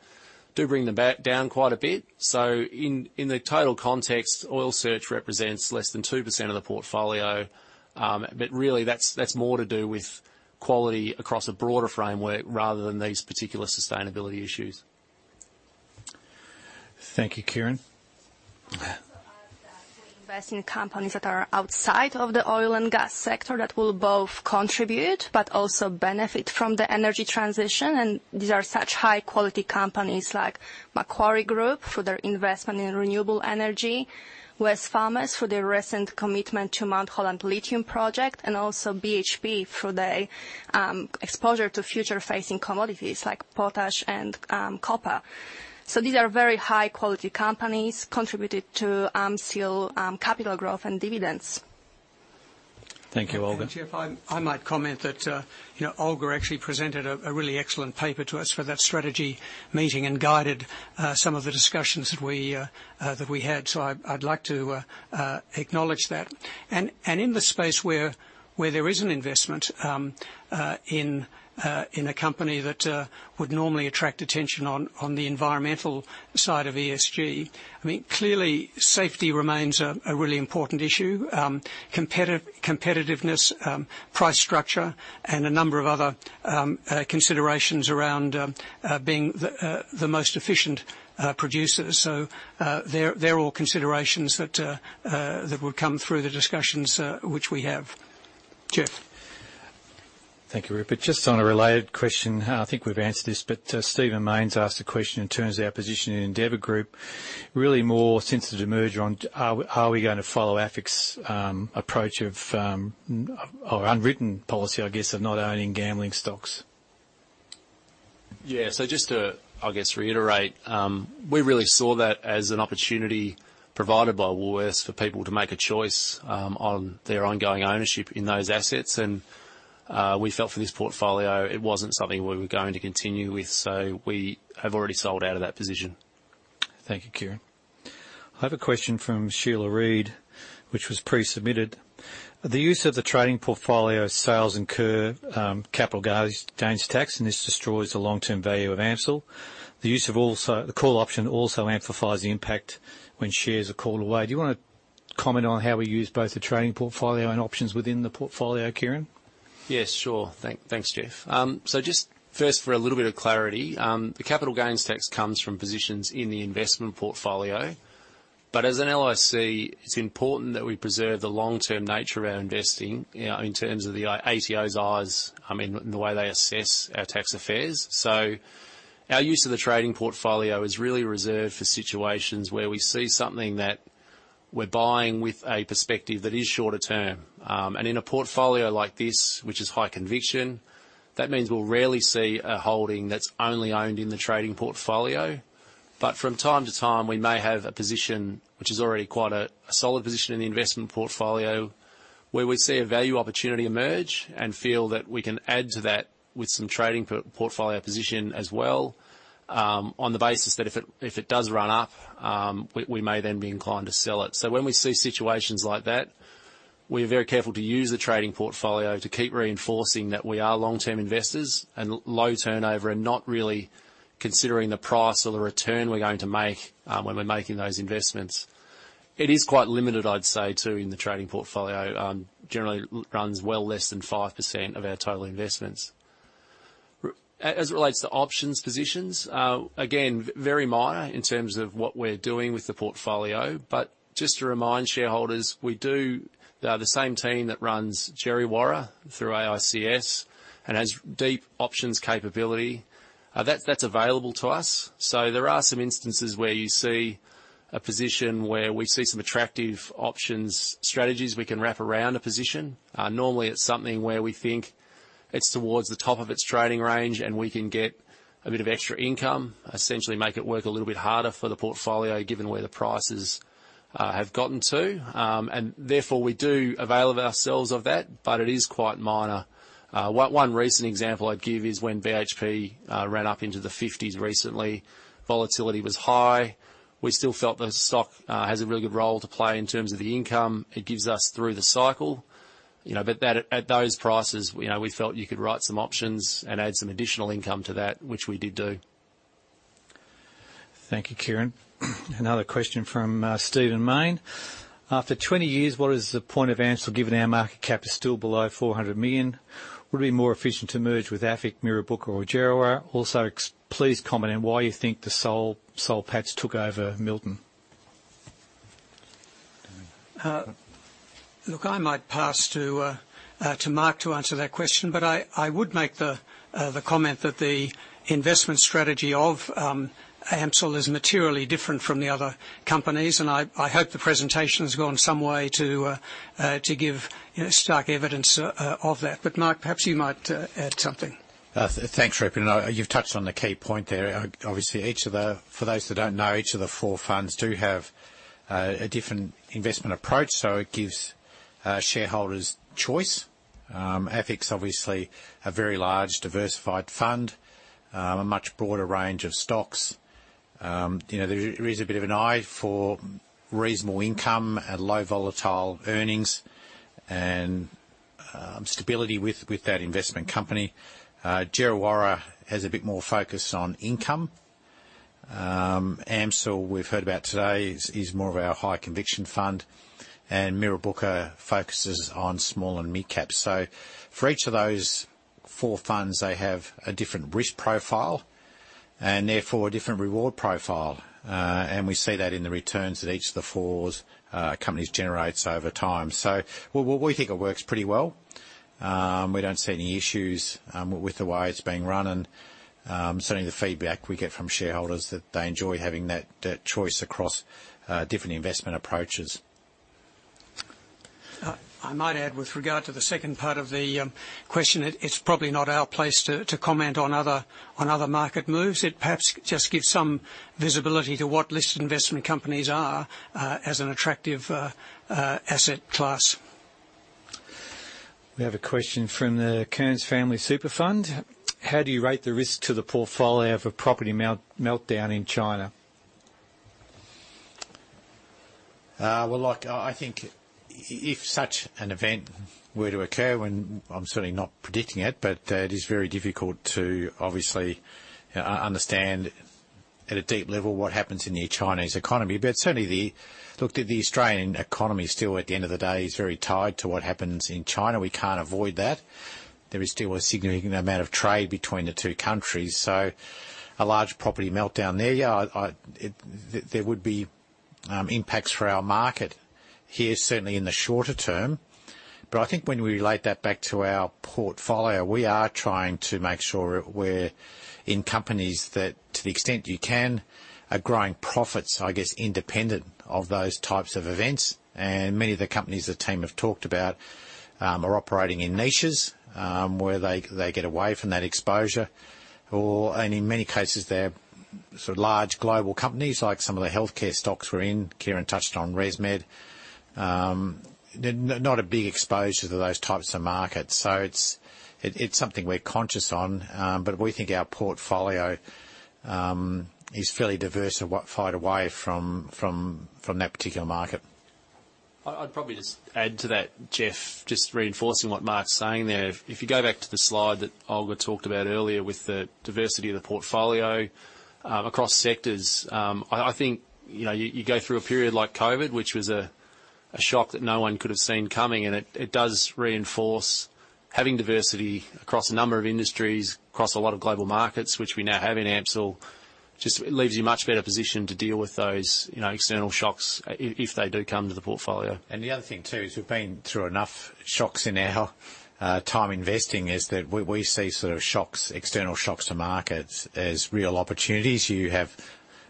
do bring them back down quite a bit. In the total context, Oil Search represents less than 2% of the portfolio, but really that's more to do with quality across a broader framework rather than these particular sustainability issues. Thank you, Kieran. I'd also add that we invest in companies that are outside of the oil and gas sector that will both contribute but also benefit from the energy transition. These are such high-quality companies like Macquarie Group for their investment in renewable energy, Wesfarmers for their recent commitment to Mount Holland Lithium project, and also BHP for their exposure to future-facing commodities like potash and copper. These are very high-quality companies contributed to AMCIL capital growth and dividends. Thank you, Olga. Geoff, I might comment that Olga actually presented a really excellent paper to us for that strategy meeting and guided some of the discussions that we had. In the space where there is an investment in a company that would normally attract attention on the environmental side of ESG, clearly safety remains a really important issue. Competitiveness, price structure, and a number of other considerations around being the most efficient producer. They're all considerations that would come through the discussions which we have. Geoff. Thank you, Rupert. Just on a related question, I think we've answered this, but Steven Main asked a question in terms of our position in Endeavour Group, really more since the demerger on are we going to follow AFIC's approach of our unwritten policy, I guess, of not owning gambling stocks? Just to, I guess, reiterate, we really saw that as an opportunity provided by Woolworths for people to make a choice on their ongoing ownership in those assets. We felt for this portfolio, it wasn't something we were going to continue with. We have already sold out of that position. Thank you, Kieran. I have a question from Sheila Reid, which was pre-submitted. The use of the trading portfolio sales incur capital gains tax, and this destroys the long-term value of AMCIL. The call option also amplifies the impact when shares are called away. Do you want to comment on how we use both the trading portfolio and options within the portfolio, Kieran? Yes, sure. Thanks, Geoff. Just first for a little bit of clarity, the capital gains tax comes from positions in the investment portfolio, but as an LIC, it's important that we preserve the long-term nature of our investing in terms of the ATO's eyes, I mean, the way they assess our tax affairs. Our use of the trading portfolio is really reserved for situations where we see something that we're buying with a perspective that is shorter term. In a portfolio like this, which is high conviction, that means we'll rarely see a holding that's only owned in the trading portfolio. From time to time, we may have a position which is already quite a solid position in the investment portfolio, where we see a value opportunity emerge and feel that we can add to that with some trading portfolio position as well, on the basis that if it does run up, we may then be inclined to sell it. When we see situations like that, we're very careful to use the trading portfolio to keep reinforcing that we are long-term investors and low turnover and not really considering the price or the return we're going to make when we're making those investments. It is quite limited, I'd say, too, in the trading portfolio. Generally runs well less than 5% of our total investments. As it relates to options positions, again, very minor in terms of what we're doing with the portfolio, but just to remind shareholders, we do the same team that runs Djerriwarrh through AICS and has deep options capability. That's available to us. There are some instances where you see a position where we see some attractive options strategies we can wrap around a position. Normally, it's something where we think it's towards the top of its trading range and we can get a bit of extra income, essentially make it work a little bit harder for the portfolio, given where the prices have gotten to. Therefore, we do avail ourselves of that, but it is quite minor. One recent example I'd give is when BHP ran up into the 50s recently, volatility was high. We still felt the stock has a really good role to play in terms of the income it gives us through the cycle. At those prices, we felt you could write some options and add some additional income to that, which we did do. Thank you, Kieran. Another question from Steven Main. After 20 years, what is the point of AMCIL given our market cap is still below 400 million? Would it be more efficient to merge with AFIC, Mirrabooka, or Djerriwarrh? Please comment on why you think the Soul Patts took over Milton. Look, I might pass to Mark to answer that question, but I would make the comment that the investment strategy of AMCIL is materially different from the other companies, and I hope the presentation has gone some way to give stark evidence of that. Mark, perhaps you might add something. Thanks, Rupert. You've touched on the key point there. Obviously, for those that don't know, each of the four funds do have a different investment approach, so it gives shareholders choice. AFIC's obviously a very large, diversified fund, a much broader range of stocks. There is a bit of an eye for reasonable income and low volatile earnings and stability with that investment company. Djerriwarrh has a bit more focus on income. AMCIL, we've heard about today, is more of our high conviction fund. Mirrabooka focuses on small and mid caps. For each of those four funds, they have a different risk profile and therefore a different reward profile. We see that in the returns that each of the four companies generates over time. We think it works pretty well. We don't see any issues with the way it's being run. Certainly the feedback we get from shareholders that they enjoy having that choice across different investment approaches. I might add with regard to the second part of the question, it is probably not our place to comment on other market moves. It perhaps just gives some visibility to what listed investment companies are as an attractive asset class. We have a question from the Kearns Family Super Fund. How do you rate the risk to the portfolio of a property meltdown in China? Well, I think if such an event were to occur, and I'm certainly not predicting it is very difficult to obviously understand at a deep level what happens in the Chinese economy. Certainly, look, the Australian economy still at the end of the day, is very tied to what happens in China. We can't avoid that. There is still a significant amount of trade between the two countries. A large property meltdown there, yeah, there would be impacts for our market here, certainly in the shorter term. I think when we relate that back to our portfolio, we are trying to make sure we're in companies that, to the extent you can, are growing profits, I guess, independent of those types of events. Many of the companies the team have talked about are operating in niches, where they get away from that exposure. In many cases, they're large global companies like some of the healthcare stocks we're in. Kieran touched on ResMed. They're not a big exposure to those types of markets. It's something we're conscious on. We think our portfolio is fairly diversified away from that particular market. I'd probably just add to that, Geoff, just reinforcing what Mark's saying there. You go back to the slide that Olga talked about earlier with the diversity of the portfolio across sectors, I think, you go through a period like COVID, which was a shock that no one could've seen coming, and it does reinforce having diversity across a number of industries, across a lot of global markets, which we now have in AMCIL. Leaves you in much better position to deal with those external shocks if they do come to the portfolio. The other thing too is we've been through enough shocks in our time investing, is that we see shocks, external shocks to markets as real opportunities. You have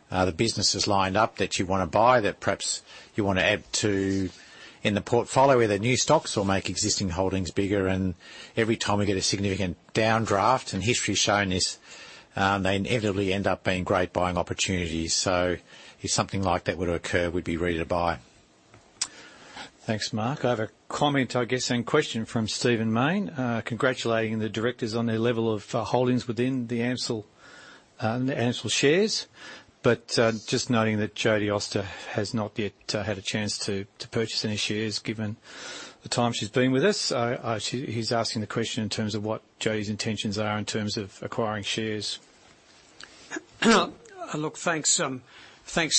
the businesses lined up that you want to buy, that perhaps you want to add to in the portfolio, either new stocks or make existing holdings bigger. Every time we get a significant downdraft, and history's shown this, they inevitably end up being great buying opportunities. If something like that were to occur, we'd be ready to buy. Thanks, Mark. I have a comment, I guess, and question from Steven Main. Congratulating the directors on their level of holdings within the AMCIL shares, but just noting that Jodie Auster has not yet had a chance to purchase any shares given the time she's been with us. He's asking the question in terms of what Jodie's intentions are in terms of acquiring shares. Thanks,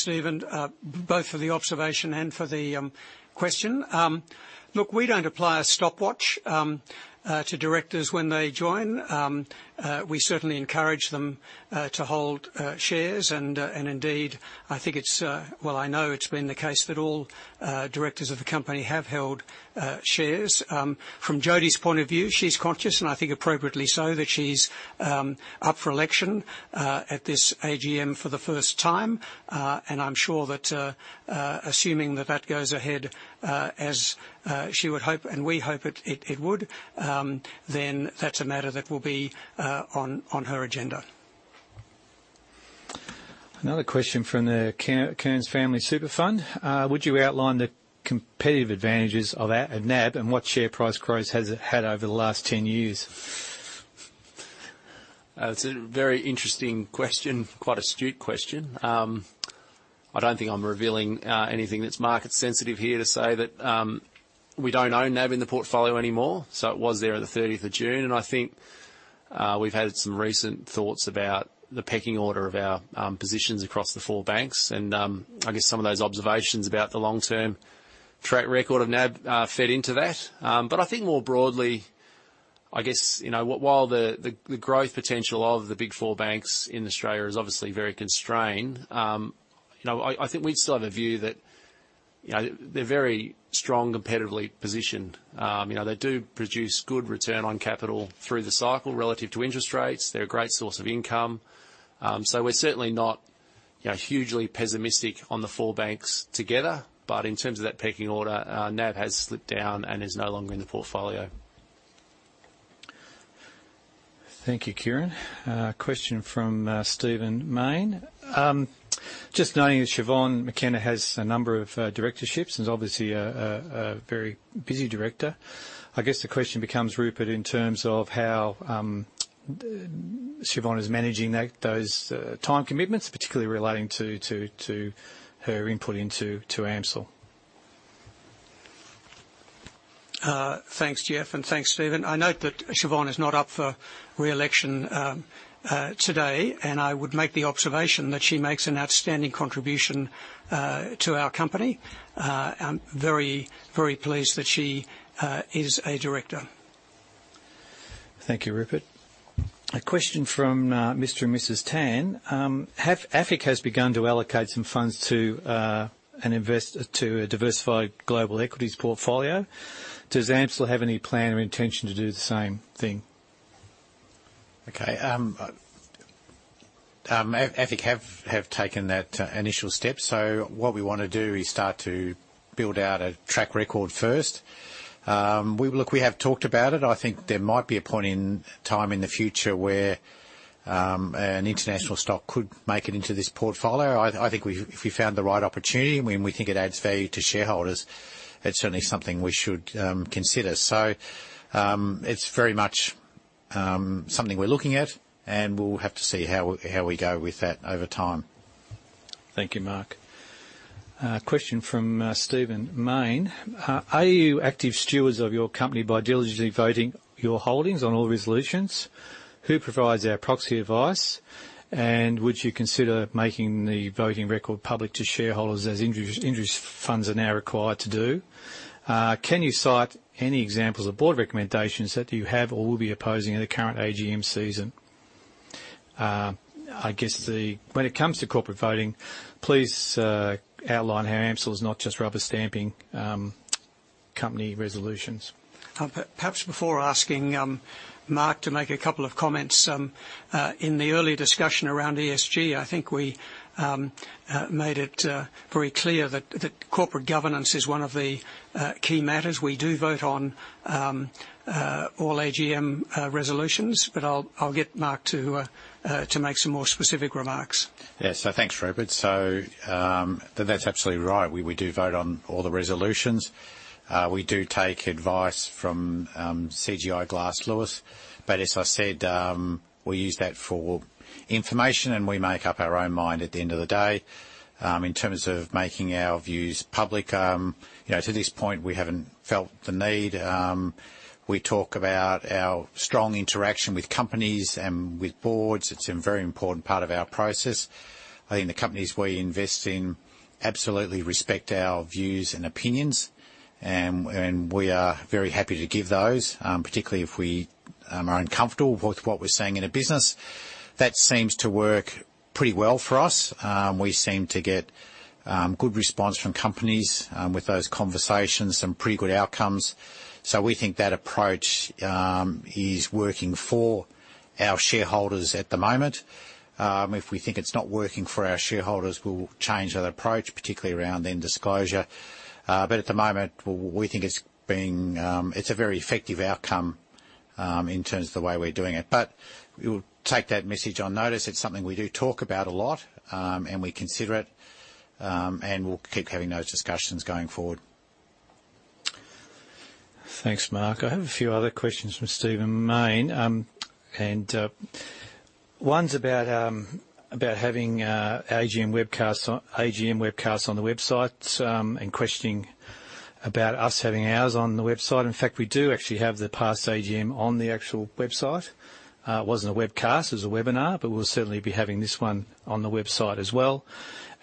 Steven, both for the observation and for the question. We don't apply a stopwatch to directors when they join. We certainly encourage them to hold shares, and indeed, I know it's been the case that all directors of the company have held shares. From Jodie's point of view, she's conscious, and I think appropriately so, that she's up for election at this AGM for the first time. I'm sure that assuming that goes ahead, as she would hope, and we hope it would, then that's a matter that will be on her agenda. Another question from the Kearns Family Super Fund. Would you outline the competitive advantages of NAB and what share price growth has it had over the last 10 years? That's a very interesting question, quite astute question. I don't think I'm revealing anything that's market sensitive here to say that we don't own NAB in the portfolio anymore. It was there at the 30th of June, and I think we've had some recent thoughts about the pecking order of our positions across the four banks. I guess some of those observations about the long-term track record of NAB fed into that. I think more broadly, I guess, while the growth potential of the big four banks in Australia is obviously very constrained, I think we'd still have a view that they're very strong competitively positioned. They do produce good return on capital through the cycle relative to interest rates. They're a great source of income. We're certainly not hugely pessimistic on the four banks together. In terms of that pecking order, NAB has slipped down and is no longer in the portfolio. Thank you, Kieran. A question from Steven Main. Just noting that Siobhan McKenna has a number of directorships and is obviously a very busy director. I guess the question becomes, Rupert, in terms of how Siobhan is managing those time commitments, particularly relating to her input into AMCIL. Thanks, Geoff, and thanks, Steven. I note that Siobhan is not up for re-election today, and I would make the observation that she makes an outstanding contribution to our company. I'm very, very pleased that she is a director. Thank you, Rupert. A question from Mr. and Mrs. Tan. AFIC has begun to allocate some funds to a diversified global equities portfolio. Does AMCIL have any plan or intention to do the same thing? AFIC have taken that initial step. What we want to do is start to build out a track record first. We have talked about it. I think there might be a point in time in the future where an international stock could make it into this portfolio. I think if we found the right opportunity, when we think it adds value to shareholders, it's certainly something we should consider. It's very much something we're looking at, and we'll have to see how we go with that over time. Thank you, Mark. A question from Steven Main. Are you active stewards of your company by diligently voting your holdings on all resolutions? Who provides our proxy advice? Would you consider making the voting record public to shareholders as industry funds are now required to do? Can you cite any examples of board recommendations that you have or will be opposing at the current AGM season? I guess when it comes to corporate voting, please outline how AMCIL is not just rubber-stamping company resolutions. Perhaps before asking Mark to make a couple of comments. In the earlier discussion around ESG, I think we made it very clear that corporate governance is one of the key matters. We do vote on all AGM resolutions, I'll get Mark to make some more specific remarks. Yes. Thanks, Rupert. That's absolutely right. We do vote on all the resolutions. We do take advice from CGI Glass Lewis. As I said, we use that for information, and we make up our own mind at the end of the day. In terms of making our views public, to this point, we haven't felt the need. We talk about our strong interaction with companies and with boards. It's a very important part of our process. I think the companies we invest in absolutely respect our views and opinions, and we are very happy to give those, particularly if we are uncomfortable with what we're seeing in a business. That seems to work pretty well for us. We seem to get good response from companies with those conversations, some pretty good outcomes. We think that approach is working for our shareholders at the moment. If we think it's not working for our shareholders, we'll change that approach, particularly around then disclosure. At the moment, we think it's a very effective outcome in terms of the way we're doing it. We'll take that message on notice. It's something we do talk about a lot, and we consider it, and we'll keep having those discussions going forward. Thanks, Mark. I have a few other questions from Steven Main. One's about having AGM webcasts on the website and questioning about us having ours on the website. In fact, we do actually have the past AGM on the actual website. It wasn't a webcast, it was a webinar, but we'll certainly be having this one on the website as well.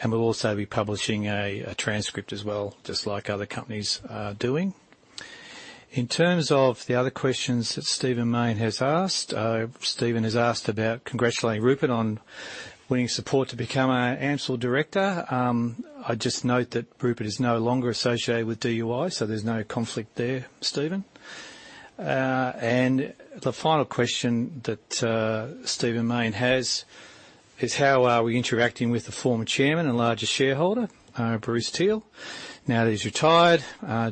We'll also be publishing a transcript as well, just like other companies are doing. In terms of the other questions that Steven Main has asked, Steven has asked about congratulating Rupert on winning support to become an AMCIL director. I'd just note that Rupert is no longer associated with DUI, so there's no conflict there, Steven. The final question that Steven Main has is: how are we interacting with the former chairman and largest shareholder, Bruce Teele? Now that he's retired,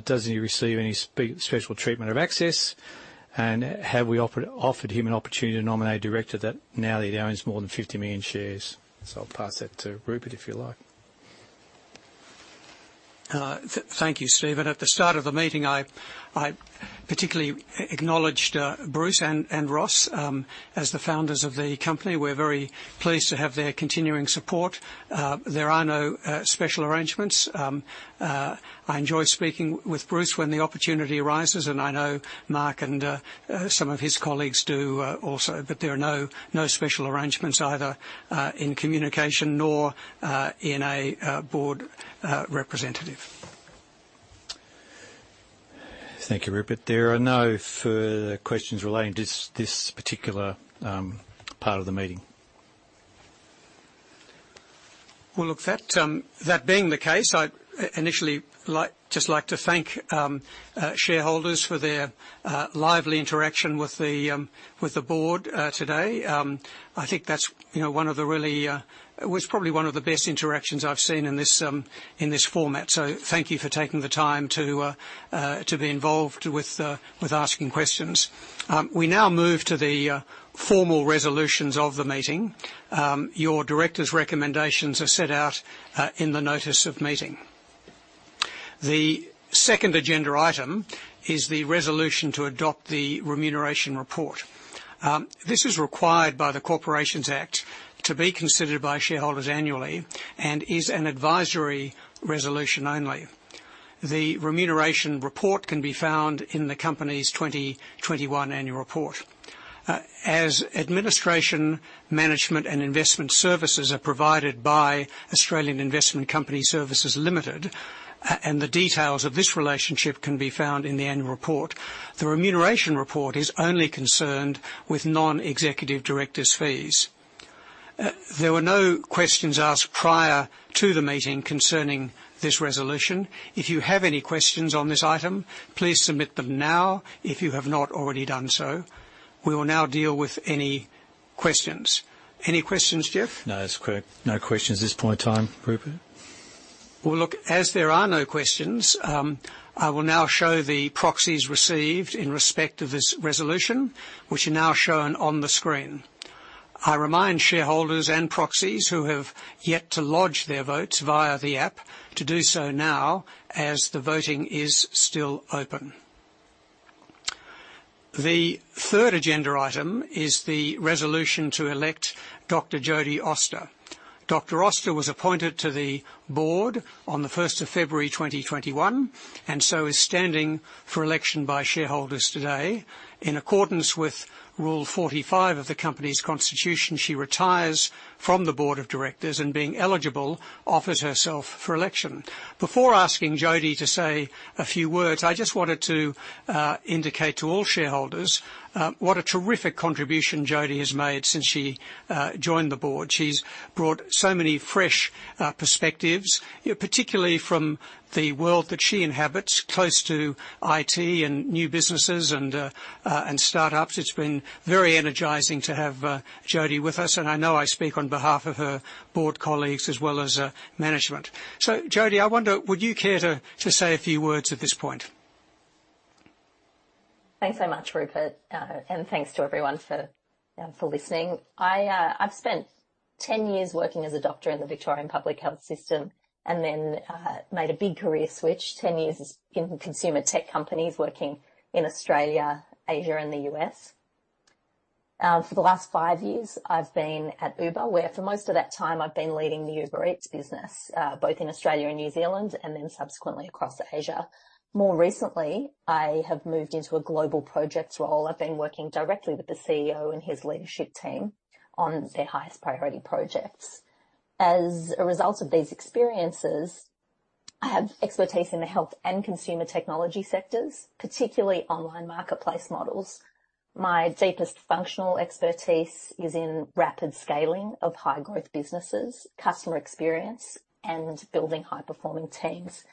doesn't he receive any special treatment of access? Have we offered him an opportunity to nominate a director that now that he owns more than 50 million shares? I'll pass that to Rupert, if you like. Thank you, Steven. At the start of the meeting, I particularly acknowledged Bruce and Ross as the founders of the company. We're very pleased to have their continuing support. There are no special arrangements. I enjoy speaking with Bruce when the opportunity arises, and I know Mark and some of his colleagues do also. There are no special arrangements either in communication nor in a board representative. Thank you, Rupert. There are no further questions relating to this particular part of the meeting. Well, look, that being the case, I'd initially just like to thank shareholders for their lively interaction with the board today. I think that was probably one of the best interactions I've seen in this format. Thank you for taking the time to be involved with asking questions. We now move to the formal resolutions of the meeting. Your directors' recommendations are set out in the notice of meeting. The second agenda item is the resolution to adopt the remuneration report. This is required by the Corporations Act to be considered by shareholders annually and is an advisory resolution only. The remuneration report can be found in the company's 2021 annual report. Administration, management, and investment services are provided by Australian Investment Company Services Limited, and the details of this relationship can be found in the annual report, the remuneration report is only concerned with non-executive directors' fees. There were no questions asked prior to the meeting concerning this resolution. If you have any questions on this item, please submit them now if you have not already done so. We will now deal with any questions. Any questions, Geoffrey? No. That's correct. No questions at this point in time, Rupert. Well, look, as there are no questions, I will now show the proxies received in respect of this resolution, which are now shown on the screen. I remind shareholders and proxies who have yet to lodge their votes via the app to do so now as the voting is still open. The third agenda item is the resolution to elect Dr. Jodie Auster. Dr. Auster was appointed to the board on the February 1st, 2021, and so is standing for election by shareholders today. In accordance with Rule 45 of the company's constitution, she retires from the board of directors and being eligible, offers herself for election. Before asking Jodie to say a few words, I just wanted to indicate to all shareholders what a terrific contribution Jodie has made since she joined the board. She's brought so many fresh perspectives, particularly from the world that she inhabits, close to IT and new businesses and startups. It's been very energizing to have Jodie with us, and I know I speak on behalf of her board colleagues as well as management. Jodie, I wonder, would you care to say a few words at this point? Thanks so much, Rupert. Thanks to everyone for listening. I've spent 10 years working as a doctor in the Victorian Public Health System and then made a big career switch. 10 years in consumer tech companies working in Australia, Asia, and the U.S. For the last five years, I've been at Uber, where for most of that time I've been leading the Uber Eats business, both in Australia and New Zealand, and then subsequently across Asia. More recently, I have moved into a global projects role. I've been working directly with the CEO and his leadership team on their highest priority projects. As a result of these experiences, I have expertise in the health and consumer technology sectors, particularly online marketplace models. My deepest functional expertise is in rapid scaling of high-growth businesses, customer experience, and building high-performing teams.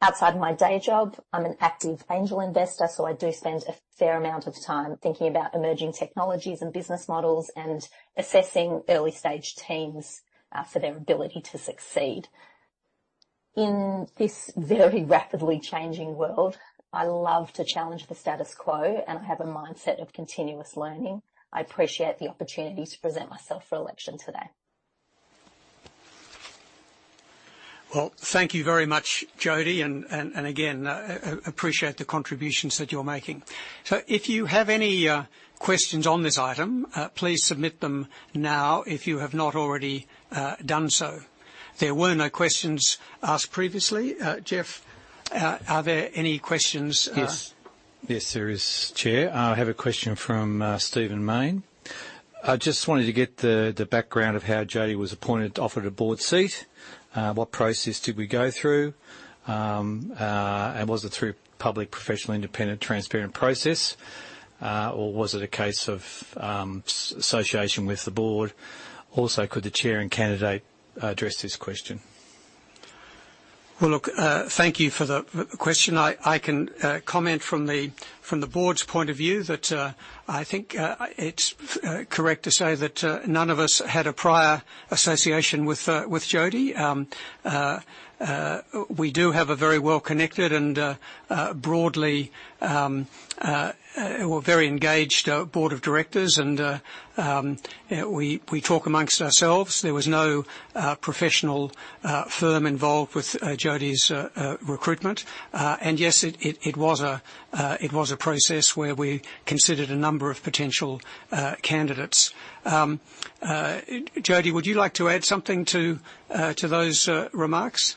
Outside my day job, I'm an active angel investor. I do spend a fair amount of time thinking about emerging technologies and business models and assessing early-stage teams for their ability to succeed. In this very rapidly changing world, I love to challenge the status quo. I have a mindset of continuous learning. I appreciate the opportunity to present myself for election today. Well, thank you very much, Jodie. Again, appreciate the contributions that you're making. If you have any questions on this item, please submit them now if you have not already done so. There were no questions asked previously. Jeff, are there any questions? Yes. Yes, there is, Chair. I have a question from Steven Main. "I just wanted to get the background of how Jodie was appointed, offered a board seat. What process did we go through? Was it through public, professional, independent, transparent process? Was it a case of association with the board? Also, could the Chair and candidate address this question? Well, look, thank you for the question. I can comment from the board's point of view that I think it's correct to say that none of us had a prior association with Jodie. We do have a very well-connected and broadly or very engaged board of directors, and we talk amongst ourselves. There was no professional firm involved with Jodie's recruitment. Yes, it was a process where we considered a number of potential candidates. Jodie, would you like to add something to those remarks?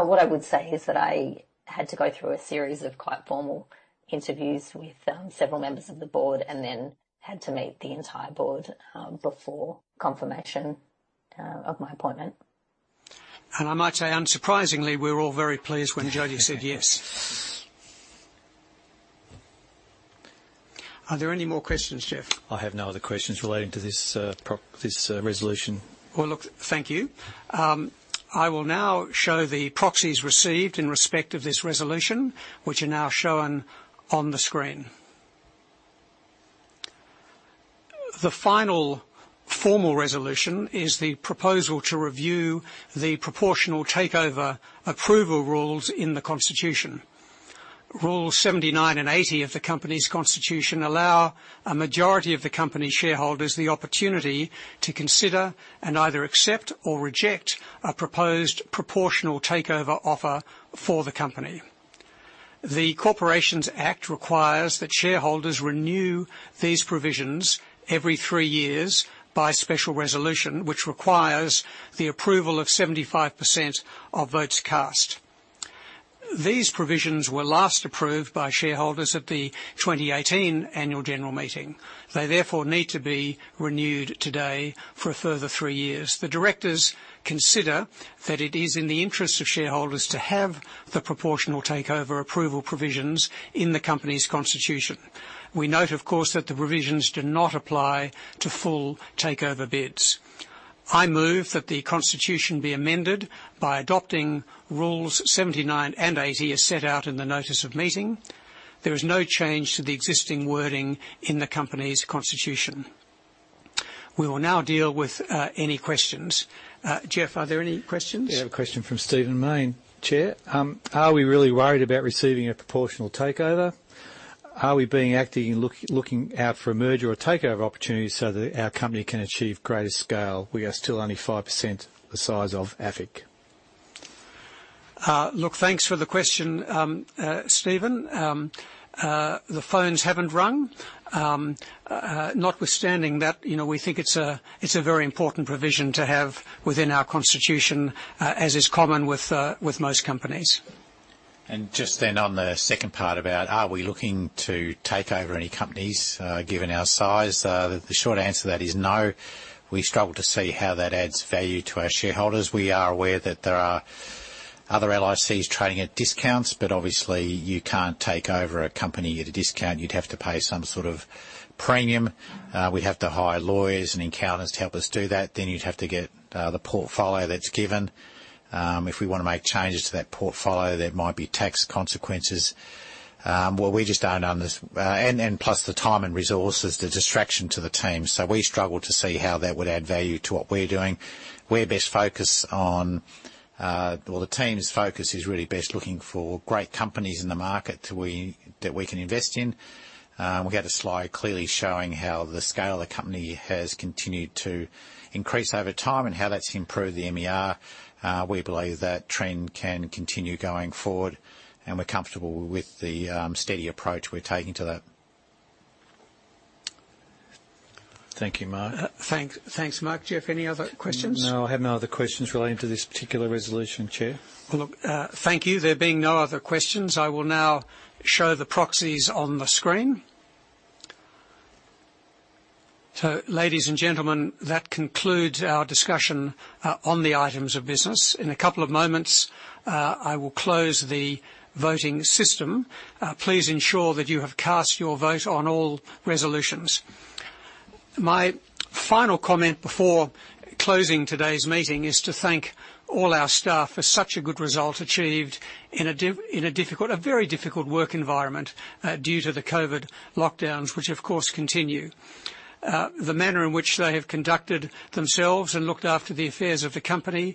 What I would say is that I had to go through a series of quite formal interviews with several members of the board and then had to meet the entire board before confirmation of my appointment. I might say, unsurprisingly, we were all very pleased when Jodie said yes. Are there any more questions, Geoff? I have no other questions relating to this resolution. Well, look, thank you. I will now show the proxies received in respect of this resolution, which are now shown on the screen. The final formal resolution is the proposal to review the proportional takeover approval rules in the constitution. Rules 79 and 80 of the company's constitution allow a majority of the company shareholders the opportunity to consider and either accept or reject a proposed proportional takeover offer for the company. The Corporations Act requires that shareholders renew these provisions every three years by special resolution, which requires the approval of 75% of votes cast. These provisions were last approved by shareholders at the 2018 annual general meeting. They therefore need to be renewed today for a further three years. The directors consider that it is in the interest of shareholders to have the proportional takeover approval provisions in the company's constitution. We note, of course, that the provisions do not apply to full takeover bids. I move that the Constitution be amended by adopting Rules 79 and 80 as set out in the notice of meeting. There is no change to the existing wording in the company's constitution. We will now deal with any questions. Jeff, are there any questions? We have a question from Steven Main, Chair. Are we really worried about receiving a proportional takeover? Are we being active in looking out for a merger or takeover opportunities so that our company can achieve greater scale? We are still only 5% the size of AFIC. Look, thanks for the question, Steven. The phones haven't rung. Notwithstanding that, we think it's a very important provision to have within our constitution, as is common with most companies. Just then on the second part about are we looking to takeover any companies given our size, the short answer to that is no. We struggle to see how that adds value to our shareholders. We are aware that there are other LICs trading at discounts, obviously you can't takeover a company at a discount. You'd have to pay some sort of premium. We'd have to hire lawyers and accountants to help us do that, you'd have to get the portfolio that's given. If we want to make changes to that portfolio, there might be tax consequences. Plus the time and resources, the distraction to the team. We struggle to see how that would add value to what we're doing. The team's focus is really best looking for great companies in the market that we can invest in. We have a slide clearly showing how the scale of the company has continued to increase over time and how that's improved the MER. We believe that trend can continue going forward, and we're comfortable with the steady approach we're taking to that. Thank you, Mark. Thanks, Mark. Geoff, any other questions? No, I have no other questions relating to this particular resolution, Chair. Look, thank you. There being no other questions, I will now show the proxies on the screen. Ladies and gentlemen, that concludes our discussion on the items of business. In a couple of moments, I will close the voting system. Please ensure that you have cast your vote on all resolutions. My final comment before closing today's meeting is to thank all our staff for such a good result achieved in a very difficult work environment due to the COVID lockdowns, which of course continue. The manner in which they have conducted themselves and looked after the affairs of the company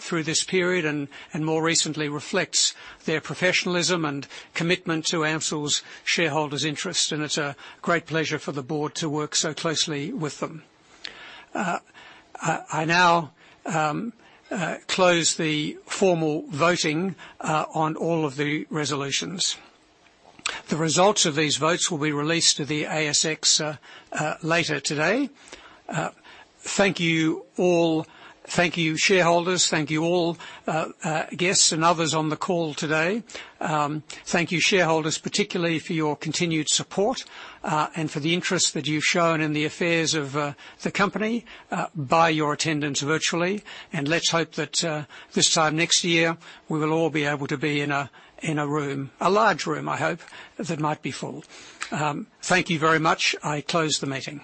through this period and more recently reflects their professionalism and commitment to AMCIL's shareholders' interest, and it's a great pleasure for the board to work so closely with them. I now close the formal voting on all of the resolutions. The results of these votes will be released to the ASX later today. Thank you shareholders. Thank you all guests and others on the call today. Thank you, shareholders, particularly for your continued support, and for the interest that you've shown in the affairs of the company by your attendance virtually. Let's hope that this time next year, we will all be able to be in a room, a large room, I hope, that might be full. Thank you very much. I close the meeting.